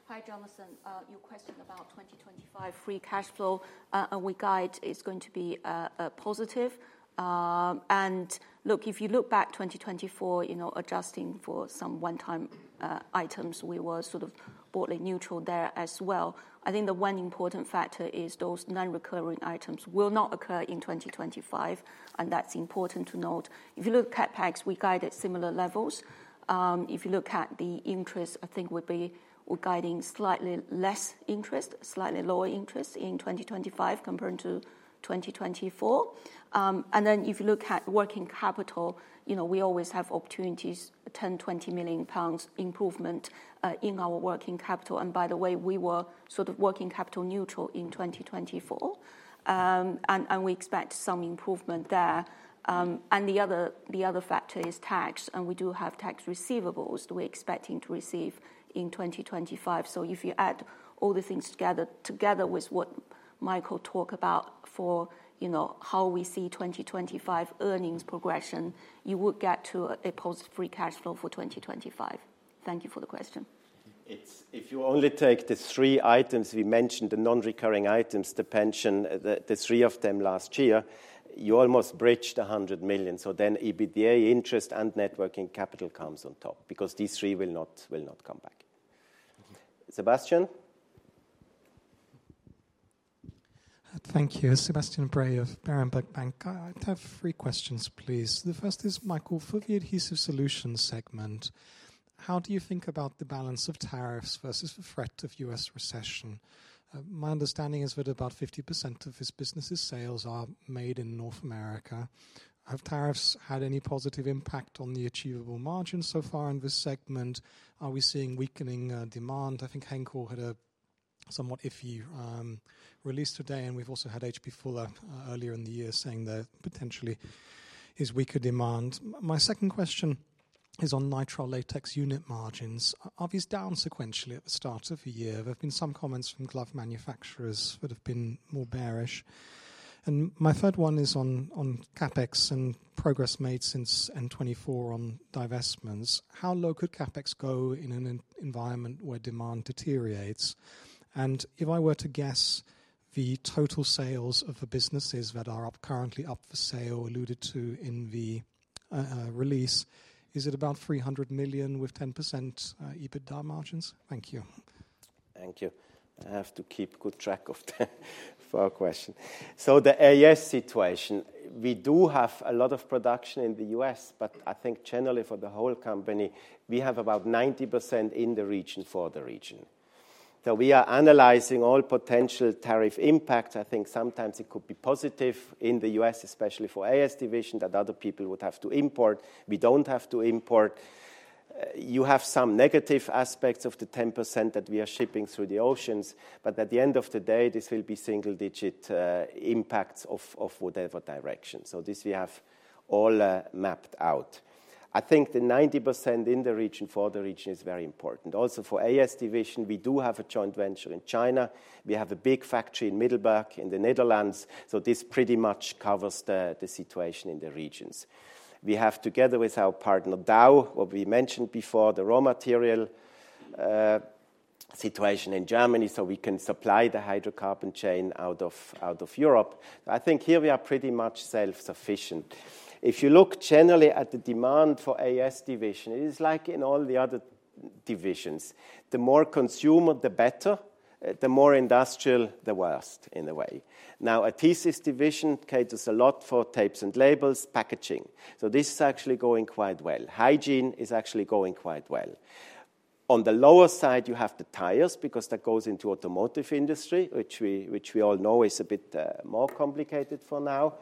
Hi, Jonathan. Your question about 2025 free cash flow and we guide is going to be positive. Look, if you look back 2024, adjusting for some one-time items, we were sort of broadly neutral there as well. I think the one important factor is those non-recurring items will not occur in 2025, and that's important to note. If you look at CapEx, we guide at similar levels. If you look at the interest, I think we'll be guiding slightly less interest, slightly lower interest in 2025 compared to 2024. If you look at working capital, we always have opportunities, 10 million to 20 million pounds improvement in our working capital. By the way, we were sort of working capital neutral in 2024, and we expect some improvement there. The other factor is tax, and we do have tax receivables that we're expecting to receive in 2025. If you add all the things together with what Michael talked about for how we see 2025 earnings progression, you would get to a positive free cash flow for 2025. Thank you for the question. If you only take the three items we mentioned, the non-recurring items, the pension, the three of them last year, you almost bridged 100 million. EBITDA, interest, and networking capital comes on top because these three will not come back. Sebastian? Thank you. Sebastian Bray of Berenberg. I'd have three questions, please. The first is, Michael, for the Adhesive Solutions segment, how do you think about the balance of tariffs versus the threat of U.S. recession? My understanding is that about 50% of this business's sales are made in North America. Have tariffs had any positive impact on the achievable margin so far in this segment? Are we seeing weakening demand? I think Henkel had a somewhat iffy release today, and we've also had H.B. Fuller earlier in the year saying that potentially there is weaker demand. My second question is on nitrile latex unit margins. Are these down sequentially at the start of the year? There have been some comments from glove manufacturers that have been more bearish. And my third one is on CapEx and progress made since 2024 on divestments. How low could CapEx go in an environment where demand deteriorates? If I were to guess the total sales of the businesses that are currently up for sale, alluded to in the release, is it about 300 million with 10% EBITDA margins? Thank you. Thank you. I have to keep good track of the question. The AS situation, we do have a lot of production in the U.S., but I think generally for the whole company, we have about 90% in the region for the region. We are analyzing all potential tariff impacts. I think sometimes it could be positive in the U.S., especially for AS Division, that other people would have to import. We do not have to import. You have some negative aspects of the 10% that we are shipping through the oceans, but at the end of the day, this will be single-digit impacts of whatever direction. We have all this mapped out. I think the 90% in the region for the region is very important. Also, for AS division, we do have a joint venture in China. We have a big factory in Middelburg in the Netherlands. This pretty much covers the situation in the regions. We have, together with our partner Dow, what we mentioned before, the raw material situation in Germany, so we can supply the hydrocarbon chain out of Europe. I think here we are pretty much self-sufficient. If you look generally at the demand for AS division, it is like in all the other divisions. The more consumer, the better. The more industrial, the worst in a way. Now, AS division caters a lot for tapes and labels, packaging. This is actually going quite well. Hygiene is actually going quite well. On the lower side, you have the tires because that goes into the automotive industry, which we all know is a bit more complicated for now.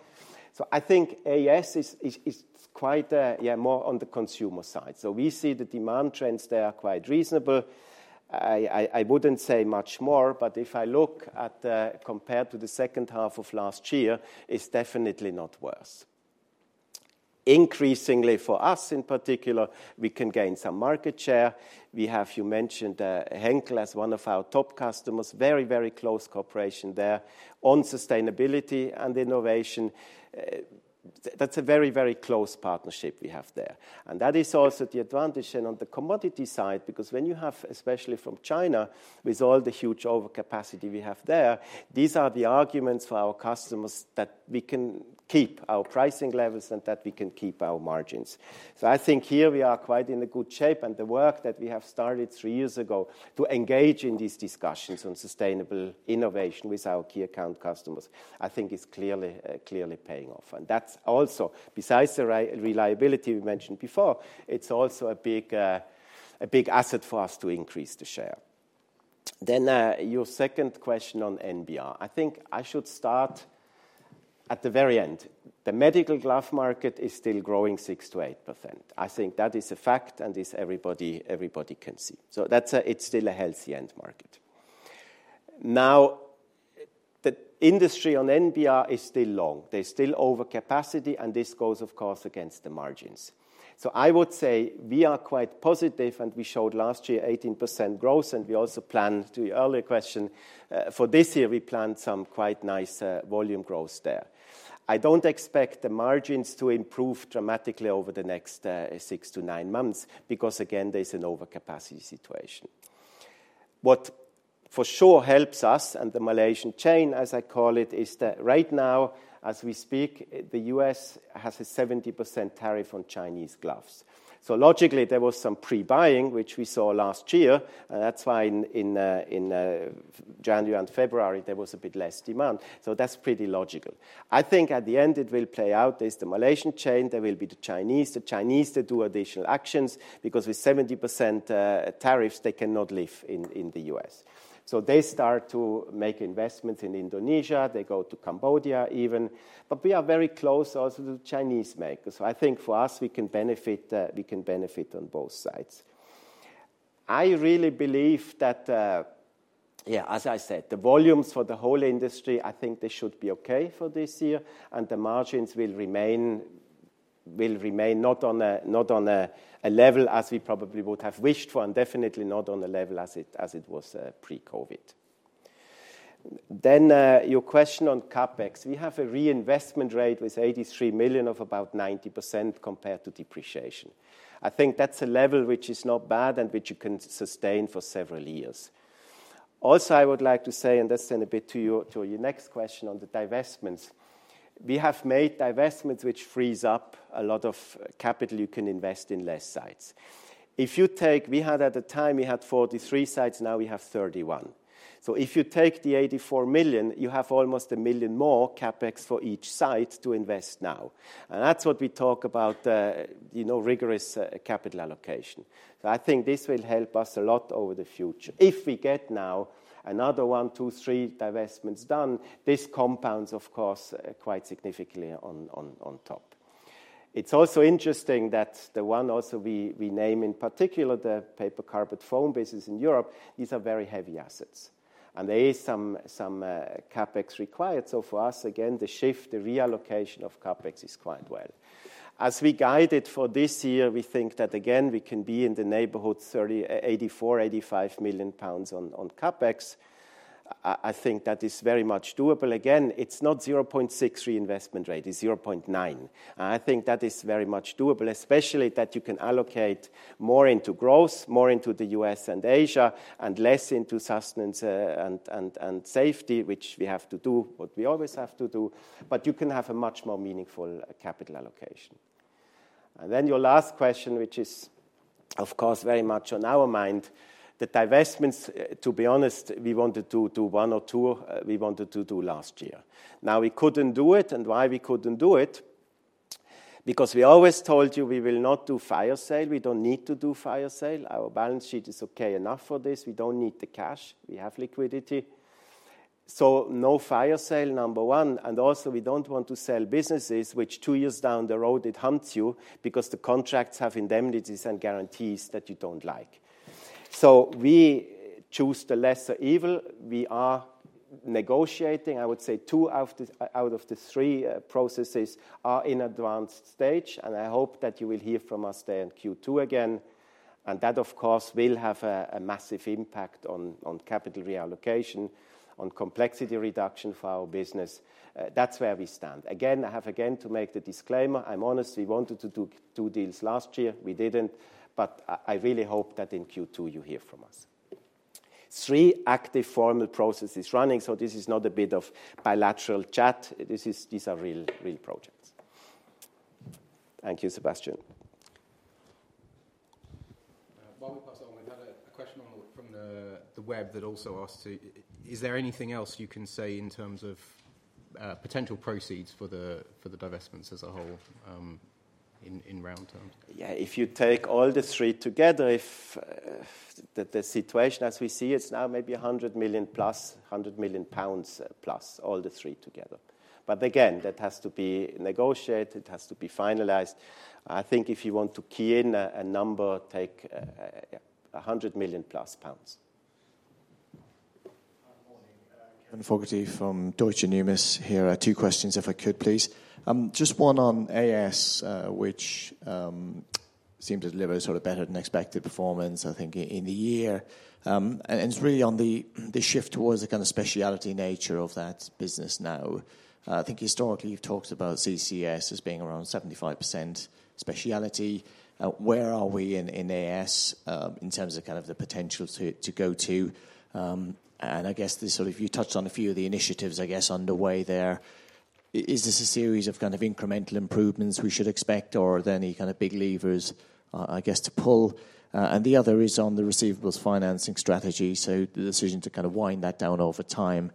I think AS is quite more on the consumer side. We see the demand trends there are quite reasonable. I wouldn't say much more, but if I look at compared to the second half of last year, it's definitely not worse. Increasingly for us in particular, we can gain some market share. We have, you mentioned, Henkel as one of our top customers, very, very close cooperation there on sustainability and innovation. That's a very, very close partnership we have there. That is also the advantage on the commodity side because when you have, especially from China, with all the huge overcapacity we have there, these are the arguments for our customers that we can keep our pricing levels and that we can keep our margins. I think here we are quite in good shape, and the work that we have started three years ago to engage in these discussions on sustainable innovation with our key account customers, I think is clearly paying off. That is also, besides the reliability we mentioned before, a big asset for us to increase the share. Your second question on NBR, I think I should start at the very end. The medical glove market is still growing 6%-8%. I think that is a fact, and everybody can see. It is still a healthy end market. Now, the industry on NBR is still long. There is still overcapacity, and this goes, of course, against the margins. I would say we are quite positive, and we showed last year 18% growth, and we also planned, to your earlier question, for this year, we planned some quite nice volume growth there. I do not expect the margins to improve dramatically over the next six to nine months because, again, there is an overcapacity situation. What for sure helps us, and the Malaysian chain, as I call it, is that right now, as we speak, the U.S. has a 70% tariff on Chinese gloves. Logically, there was some pre-buying, which we saw last year, and that's why in January and February, there was a bit less demand. That's pretty logical. I think at the end, it will play out. There's the Malaysian chain. There will be the Chinese. The Chinese, they do additional actions because with 70% tariffs, they cannot live in the U.S. They start to make investments in Indonesia. They go to Cambodia even. We are very close also to the Chinese makers. I think for us, we can benefit on both sides. I really believe that, yeah, as I said, the volumes for the whole industry, I think they should be okay for this year, and the margins will remain not on a level as we probably would have wished for, and definitely not on a level as it was pre-COVID. Your question on CapEx, we have a reinvestment rate with 83 million of about 90% compared to depreciation. I think that's a level which is not bad and which you can sustain for several years. Also, I would like to say, and this is a bit to your next question on the divestments. We have made divestments which frees up a lot of capital you can invest in less sites. If you take, we had at the time, we had 43 sites. Now we have 31. If you take the 84 million, you have almost a million more CapEx for each site to invest now. That is what we talk about, rigorous capital allocation. I think this will help us a lot over the future. If we get now another one, two, three divestments done, this compounds, of course, quite significantly on top. It is also interesting that the one also we name in particular, the Paper, Carpet & Foam business in Europe, these are very heavy assets. There is some CapEx required. For us, again, the shift, the reallocation of CapEx is quite well. As we guided for this year, we think that, again, we can be in the neighborhood of 84-85 million pounds on CapEx. I think that is very much doable. Again, it is not 0.6 reinvestment rate. It is 0.9. I think that is very much doable, especially that you can allocate more into growth, more into the US and Asia, and less into sustenance and safety, which we have to do what we always have to do. You can have a much more meaningful capital allocation. Your last question, which is, of course, very much on our mind, the divestments, to be honest, we wanted to do one or two. We wanted to do last year. Now, we could not do it. Why we could not do it? Because we always told you we will not do fire sale. We do not need to do fire sale. Our balance sheet is okay enough for this. We do not need the cash. We have liquidity. No fire sale, number one. Also, we don't want to sell businesses which two years down the road it haunts you because the contracts have indemnities and guarantees that you don't like. We choose the lesser evil. We are negotiating. I would say two out of the three processes are in advanced stage. I hope that you will hear from us there in Q2 again. That, of course, will have a massive impact on capital reallocation, on complexity reduction for our business. That's where we stand. Again, I have to make the disclaimer. I'm honest, we wanted to do two deals last year. We didn't. I really hope that in Q2 you hear from us. Three active formal processes running. This is not a bit of bilateral chat. These are real projects. Thank you, Sebastian. While we pass on, we had a question from the web that also asked to, is there anything else you can say in terms of potential proceeds for the divestments as a whole in round terms? Yeah, if you take all the three together, the situation as we see it is now maybe 100 million plus, 100 million pounds plus all the three together. Again, that has to be negotiated. It has to be finalized. I think if you want to key in a number, take 100 million pounds plus. Good morning. Kevin Fogarty from Deutsche Numis here. Two questions, if I could, please. Just one on AS, which seemed to deliver sort of better than expected performance, I think, in the year. It is really on the shift towards the kind of speciality nature of that business now. I think historically, you've talked about CCS as being around 75% speciality. Where are we in AS in terms of kind of the potential to go to? I guess this sort of, you touched on a few of the initiatives, I guess, underway there. Is this a series of kind of incremental improvements we should expect, or are there any kind of big levers, I guess, to pull? The other is on the receivables financing strategy, the decision to kind of wind that down over time.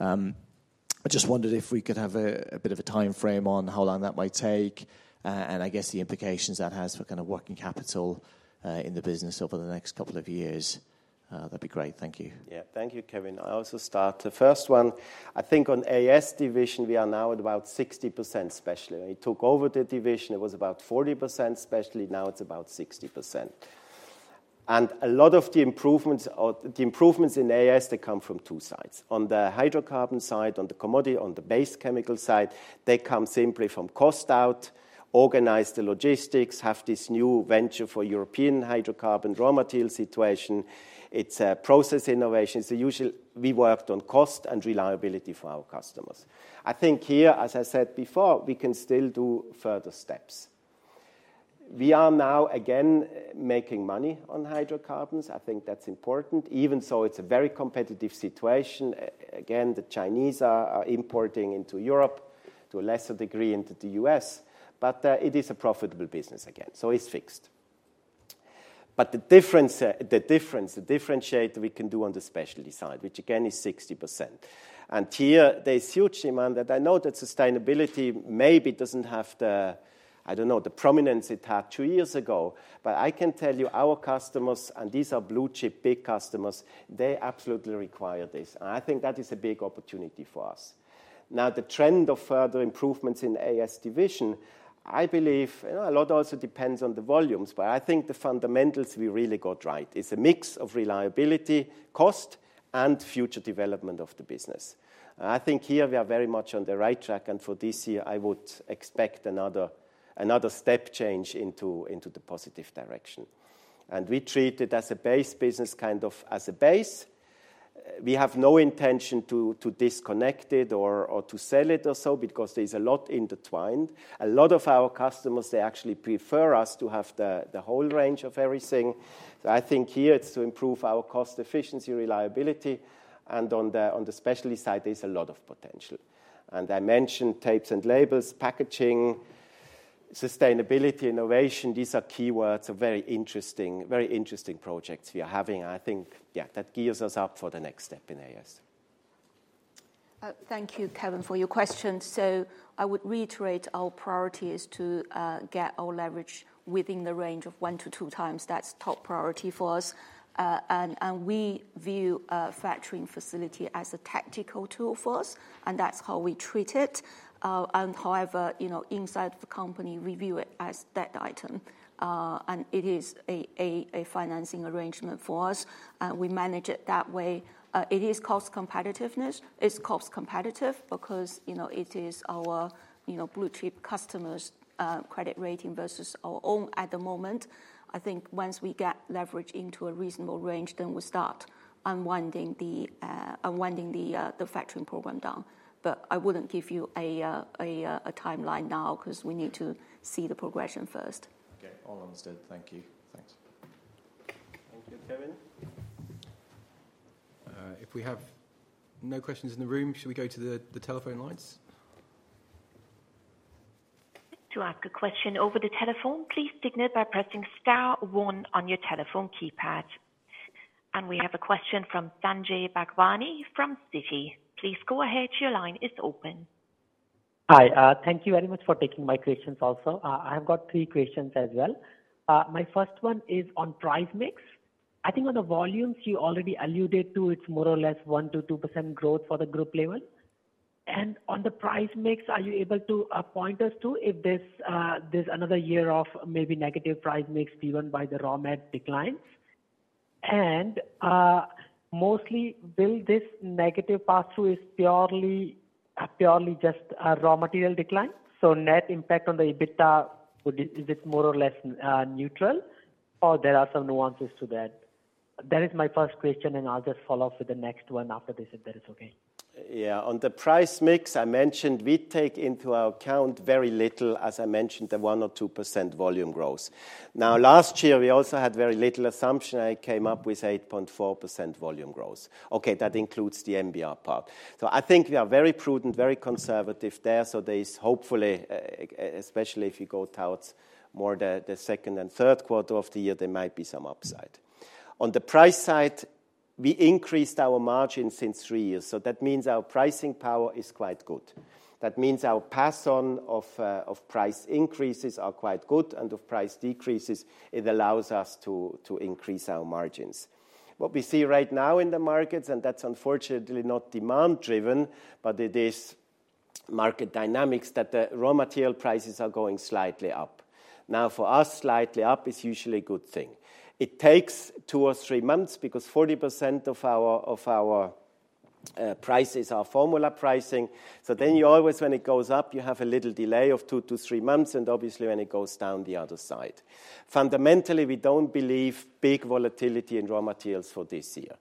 I just wondered if we could have a bit of a timeframe on how long that might take and I guess the implications that has for kind of working capital in the business over the next couple of years. That'd be great. Thank you. Yeah, thank you, Kevin. I'll also start the first one. I think on AS division, we are now at about 60% specialty. When we took over the division, it was about 40% specialty. Now it's about 60%. A lot of the improvements in AS, they come from two sides. On the hydrocarbon side, on the commodity, on the base chemical side, they come simply from cost out, organize the logistics, have this new venture for European hydrocarbon raw material situation. It's a process innovation. We worked on cost and reliability for our customers. I think here, as I said before, we can still do further steps. We are now, again, making money on hydrocarbons. I think that's important, even though it's a very competitive situation. The Chinese are importing into Europe to a lesser degree into the U.S., but it is a profitable business again. It is fixed. The difference, the differentiator we can do on the specialty side, which again is 60%. Here, there's huge demand. I know that sustainability maybe does not have the, I do not know, the prominence it had two years ago, but I can tell you our customers, and these are blue chip big customers, they absolutely require this. I think that is a big opportunity for us. Now, the trend of further improvements in AS division, I believe a lot also depends on the volumes, but I think the fundamentals we really got right is a mix of reliability, cost, and future development of the business. I think here we are very much on the right track. For this year, I would expect another step change into the positive direction. We treat it as a base business, kind of as a base. We have no intention to disconnect it or to sell it or so because there's a lot intertwined. A lot of our customers, they actually prefer us to have the whole range of everything. I think here it's to improve our cost efficiency, reliability. On the specialty side, there's a lot of potential. I mentioned tapes and labels, packaging, sustainability, innovation. These are keywords, very interesting projects we are having. I think, yeah, that gears us up for the next step in AS. Thank you, Kevin, for your question. I would reiterate our priority is to get our leverage within the range of one to two times. That is top priority for us. We view a factoring facility as a tactical tool for us, and that is how we treat it. However, inside the company, we view it as that item. It is a financing arrangement for us, and we manage it that way. It is cost competitive because it is our blue chip customers' credit rating versus our own at the moment. I think once we get leverage into a reasonable range, we start unwinding the factoring program down. I would not give you a timeline now because we need to see the progression first. Okay, all understood. Thank you. Thanks. Thank you, Kevin. If we have no questions in the room, should we go to the telephone lines? To ask a question over the telephone, please signal by pressing star one on your telephone keypad. We have a question from Sanjay Bhagwani from Citi. Please go ahead. Your line is open. Hi. Thank you very much for taking my questions also. I have got three questions as well. My first one is on price mix. I think on the volumes, you already alluded to it's more or less 1% to 2% growth for the group level. On the price mix, are you able to point us to if there's another year of maybe negative price mix driven by the raw material declines? Mostly, will this negative pass through purely just raw material decline? Net impact on the EBITDA, is it more or less neutral, or are there some nuances to that? That is my first question, and I'll just follow up with the next one after this if that is okay. Yeah, on the price mix, I mentioned we take into account very little, as I mentioned, the 1% or 2% volume growth. Now, last year, we also had very little assumption. I came up with 8.4% volume growth. Okay, that includes the NBR part. I think we are very prudent, very conservative there. There is hopefully, especially if you go towards more the second and third quarter of the year, there might be some upside. On the price side, we increased our margin since three years. That means our pricing power is quite good. That means our pass-on of price increases are quite good. Of price decreases, it allows us to increase our margins. What we see right now in the markets, and that is unfortunately not demand-driven, but it is market dynamics, is that the raw material prices are going slightly up. Now, for us, slightly up is usually a good thing. It takes two or three months because 40% of our prices are formula pricing. You always, when it goes up, have a little delay of two to three months, and obviously, when it goes down the other side. Fundamentally, we do not believe big volatility in raw materials for this year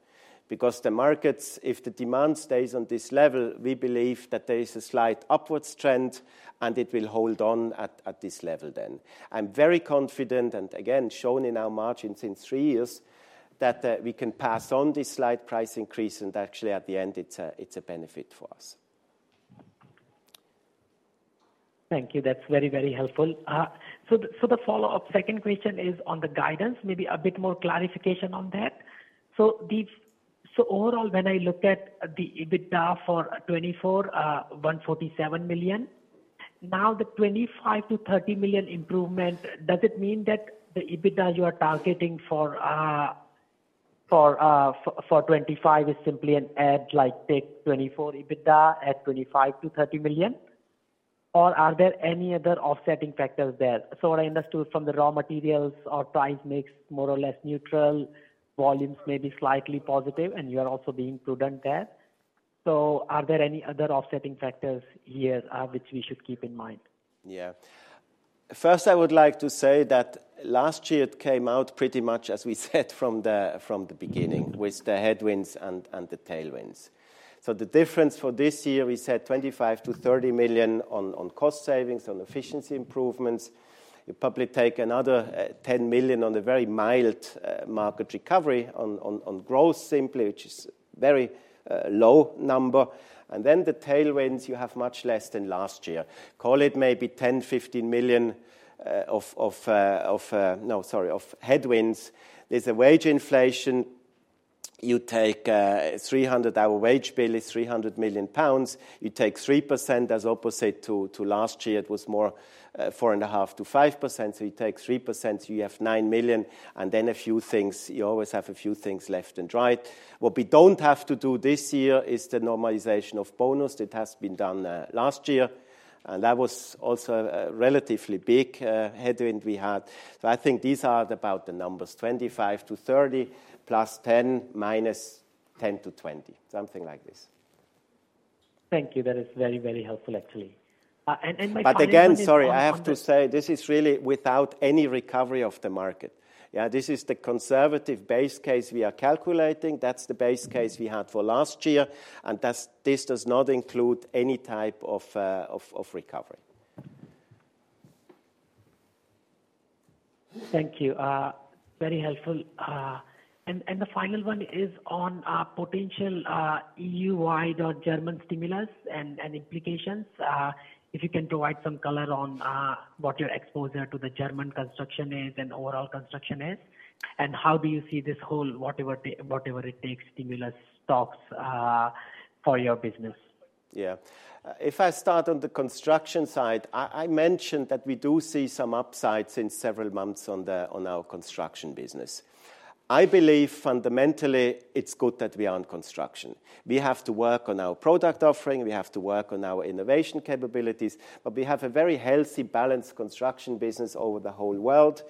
because the markets, if the demand stays on this level, we believe that there is a slight upward trend, and it will hold on at this level then. I am very confident, and again, shown in our margin since three years, that we can pass on this slight price increase. Actually, at the end, it is a benefit for us. Thank you. That's very, very helpful. The follow-up second question is on the guidance, maybe a bit more clarification on that. Overall, when I look at the EBITDA for 2024, 147 million, now the 25-30 million improvement, does it mean that the EBITDA you are targeting for 2025 is simply an add, like take 2024 EBITDA, add 25-30 million, or are there any other offsetting factors there? What I understood from the raw materials or price mix, more or less neutral, volumes may be slightly positive, and you are also being prudent there. Are there any other offsetting factors here which we should keep in mind? Yeah. First, I would like to say that last year, it came out pretty much as we said from the beginning, with the headwinds and the tailwinds. The difference for this year, we said 25 million to 30 million on cost savings, on efficiency improvements. You probably take another 10 million on a very mild market recovery on growth simply, which is a very low number. The tailwinds, you have much less than last year. Call it maybe 10 million, 15 million of, no, sorry, of headwinds. There is a wage inflation. You take a 300-hour wage bill is 300 million pounds. You take 3% as opposed to last year, it was more 4.5% to 5%. You take 3%, you have 9 million. A few things, you always have a few things left and right. What we do not have to do this year is the normalization of bonus. It has been done last year. That was also a relatively big headwind we had. I think these are about the numbers, 25 to 30 plus 10 minus 10 to 20, something like this. Thank you. That is very, very helpful, actually. My question is. Again, sorry, I have to say this is really without any recovery of the market. Yeah, this is the conservative base case we are calculating. That's the base case we had for last year. This does not include any type of recovery. Thank you. Very helpful. The final one is on potential EU-wide or German stimulus and implications. If you can provide some color on what your exposure to the German construction is and overall construction is. How do you see this whole whatever it takes stimulus stocks for your business? Yeah. If I start on the construction side, I mentioned that we do see some upside since several months on our construction business. I believe fundamentally it's good that we are on construction. We have to work on our product offering. We have to work on our innovation capabilities. But we have a very healthy, balanced construction business over the whole world.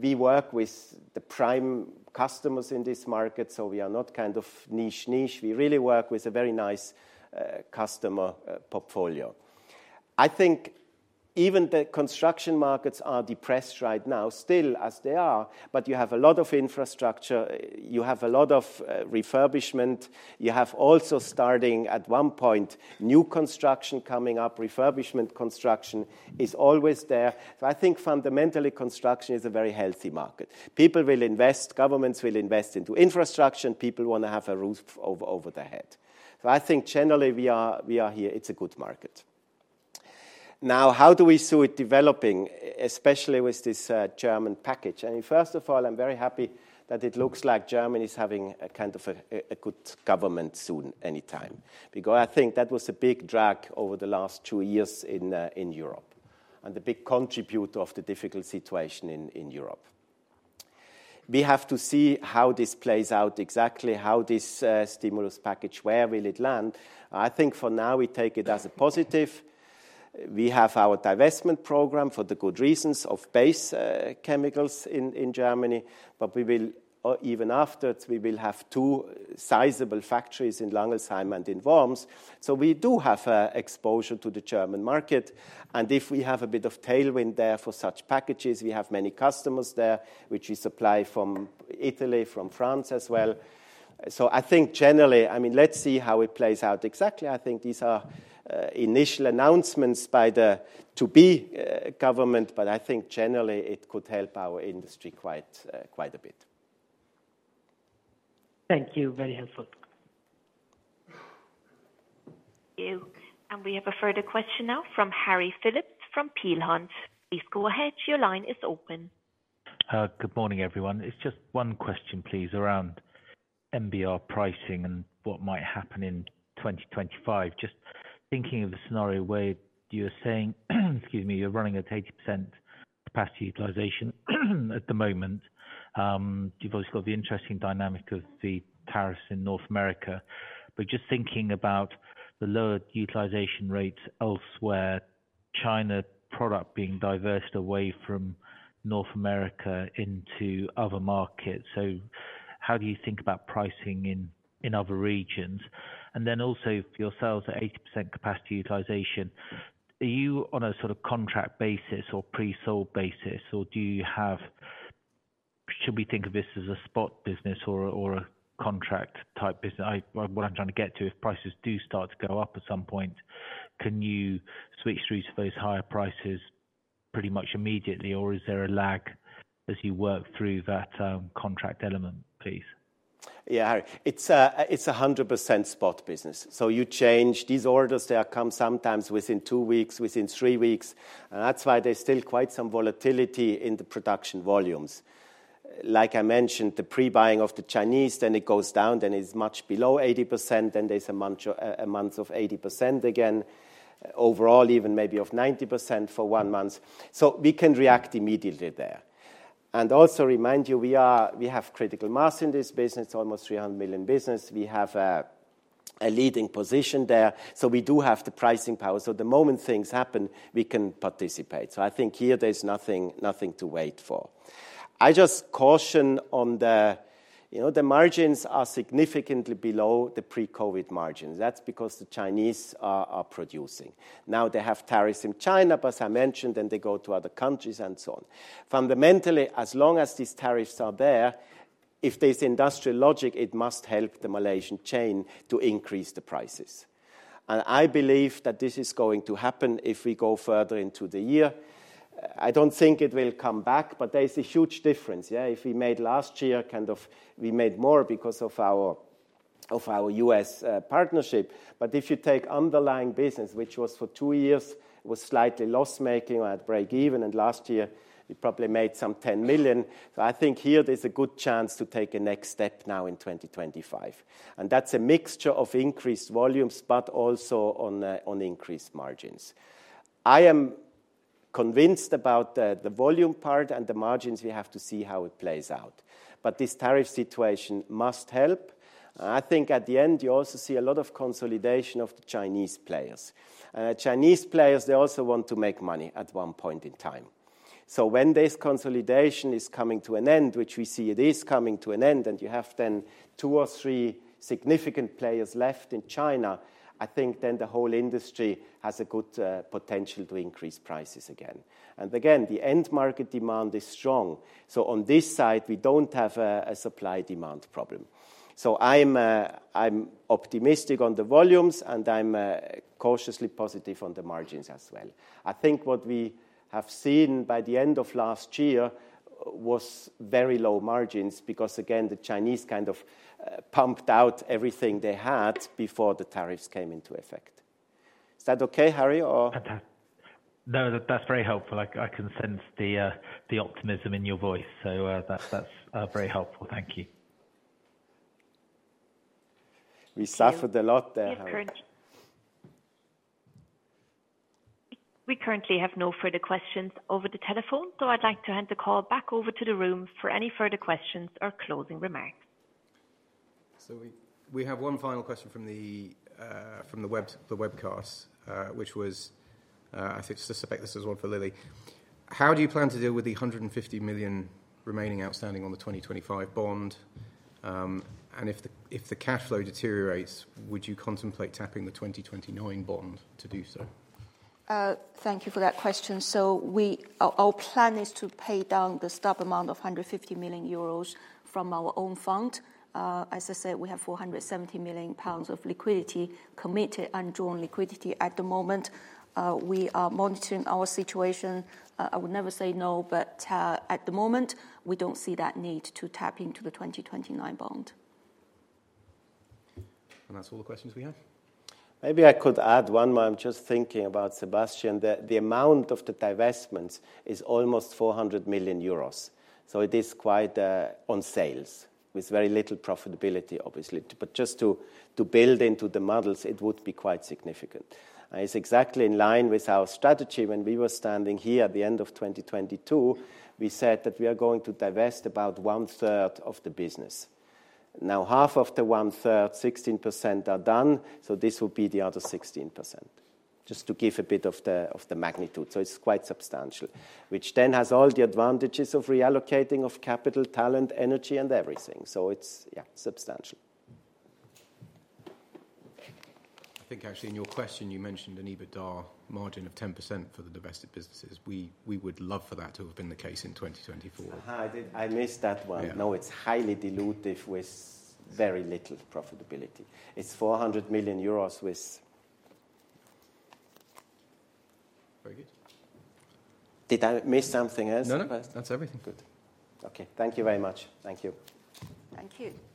We work with the prime customers in this market, so we are not kind of niche niche. We really work with a very nice customer portfolio. I think even the construction markets are depressed right now, still as they are, you have a lot of infrastructure. You have a lot of refurbishment. You have also starting at one point new construction coming up. Refurbishment construction is always there. I think fundamentally construction is a very healthy market. People will invest, governments will invest into infrastructure, and people want to have a roof over their head. I think generally we are here, it's a good market. Now, how do we see it developing, especially with this German package? I mean, first of all, I'm very happy that it looks like Germany is having a kind of a good government soon anytime because I think that was a big drag over the last two years in Europe and a big contributor of the difficult situation in Europe. We have to see how this plays out exactly, how this stimulus package, where will it land? I think for now we take it as a positive. We have our divestment program for the good reasons of base chemicals in Germany. Even afterwards, we will have two sizable factories in Langelsheim and in Worms. We do have exposure to the German market. If we have a bit of tailwind there for such packages, we have many customers there, which we supply from Italy, from France as well. I think generally, I mean, let's see how it plays out exactly. I think these are initial announcements by the to-be government, but I think generally it could help our industry quite a bit. Thank you. Very helpful. We have a further question now from Harry Philips from Peel Hunt. Please go ahead. Your line is open. Good morning, everyone. It's just one question, please, around NBR pricing and what might happen in 2025. Just thinking of the scenario where you're saying, excuse me, you're running at 80% capacity utilization at the moment. You've also got the interesting dynamic of the tariffs in North America. Just thinking about the lower utilization rates elsewhere, China product being divested away from North America into other markets. How do you think about pricing in other regions? Also, for yourselves at 80% capacity utilization, are you on a sort of contract basis or pre-sold basis, or should we think of this as a spot business or a contract type business? What I'm trying to get to, if prices do start to go up at some point, can you switch through to those higher prices pretty much immediately, or is there a lag as you work through that contract element, please? Yeah, Harry, it's a 100% spot business. You change these orders, they come sometimes within two weeks, within three weeks. That is why there is still quite some volatility in the production volumes. Like I mentioned, the pre-buying of the Chinese, then it goes down, then it is much below 80%, then there is a month of 80% again, overall even maybe of 90% for one month. We can react immediately there. I also remind you, we have critical mass in this business, almost 300 million business. We have a leading position there. We do have the pricing power. The moment things happen, we can participate. I think here there is nothing to wait for. I just caution on the margins are significantly below the pre-COVID margins. That is because the Chinese are producing. Now they have tariffs in China, as I mentioned, and they go to other countries and so on. Fundamentally, as long as these tariffs are there, if there's industrial logic, it must help the Malaysian chain to increase the prices. I believe that this is going to happen if we go further into the year. I do not think it will come back, but there's a huge difference. Yeah, if we made last year, kind of we made more because of our U.S. partnership. If you take underlying business, which was for two years, it was slightly loss-making or at break-even, and last year we probably made some 10 million. I think here there's a good chance to take a next step now in 2025. That is a mixture of increased volumes, but also on increased margins. I am convinced about the volume part and the margins. We have to see how it plays out. This tariff situation must help. I think at the end, you also see a lot of consolidation of the Chinese players. Chinese players, they also want to make money at one point in time. When this consolidation is coming to an end, which we see it is coming to an end, and you have then two or three significant players left in China, I think the whole industry has a good potential to increase prices again. The end market demand is strong. On this side, we do not have a supply-demand problem. I am optimistic on the volumes, and I am cautiously positive on the margins as well. I think what we have seen by the end of last year was very low margins because, again, the Chinese kind of pumped out everything they had before the tariffs came into effect. Is that okay, Harry, or? No, that's very helpful. I can sense the optimism in your voice. That's very helpful. Thank you. We suffered a lot there. We currently have no further questions over the telephone. I would like to hand the call back over to the room for any further questions or closing remarks. We have one final question from the webcast, which was, I suspect this is one for Lily. How do you plan to deal with the 150 million remaining outstanding on the 2025 bond? If the cash flow deteriorates, would you contemplate tapping the 2029 bond to do so? Thank you for that question. Our plan is to pay down the stub amount of 150 million euros from our own fund. As I said, we have 470 million pounds of liquidity committed and drawn liquidity at the moment. We are monitoring our situation. I would never say no, but at the moment, we do not see that need to tap into the 2029 bond. That's all the questions we have. Maybe I could add one more. I'm just thinking about Sebastian, that the amount of the divestments is almost 400 million euros. It is quite on sales with very little profitability, obviously. Just to build into the models, it would be quite significant. It is exactly in line with our strategy. When we were standing here at the end of 2022, we said that we are going to divest about one-third of the business. Now half of the one-third, 16%, are done. This will be the other 16%, just to give a bit of the magnitude. It is quite substantial, which then has all the advantages of reallocating capital, talent, energy, and everything. It is, yeah, substantial. I think actually in your question, you mentioned an EBITDA margin of 10% for the divested businesses. We would love for that to have been the case in 2024. I missed that one. No, it's highly dilutive with very little profitability. It's 400 million euros with. Very good. Did I miss something else? No, no, that's everything. Good. Okay. Thank you very much. Thank you. Thank you.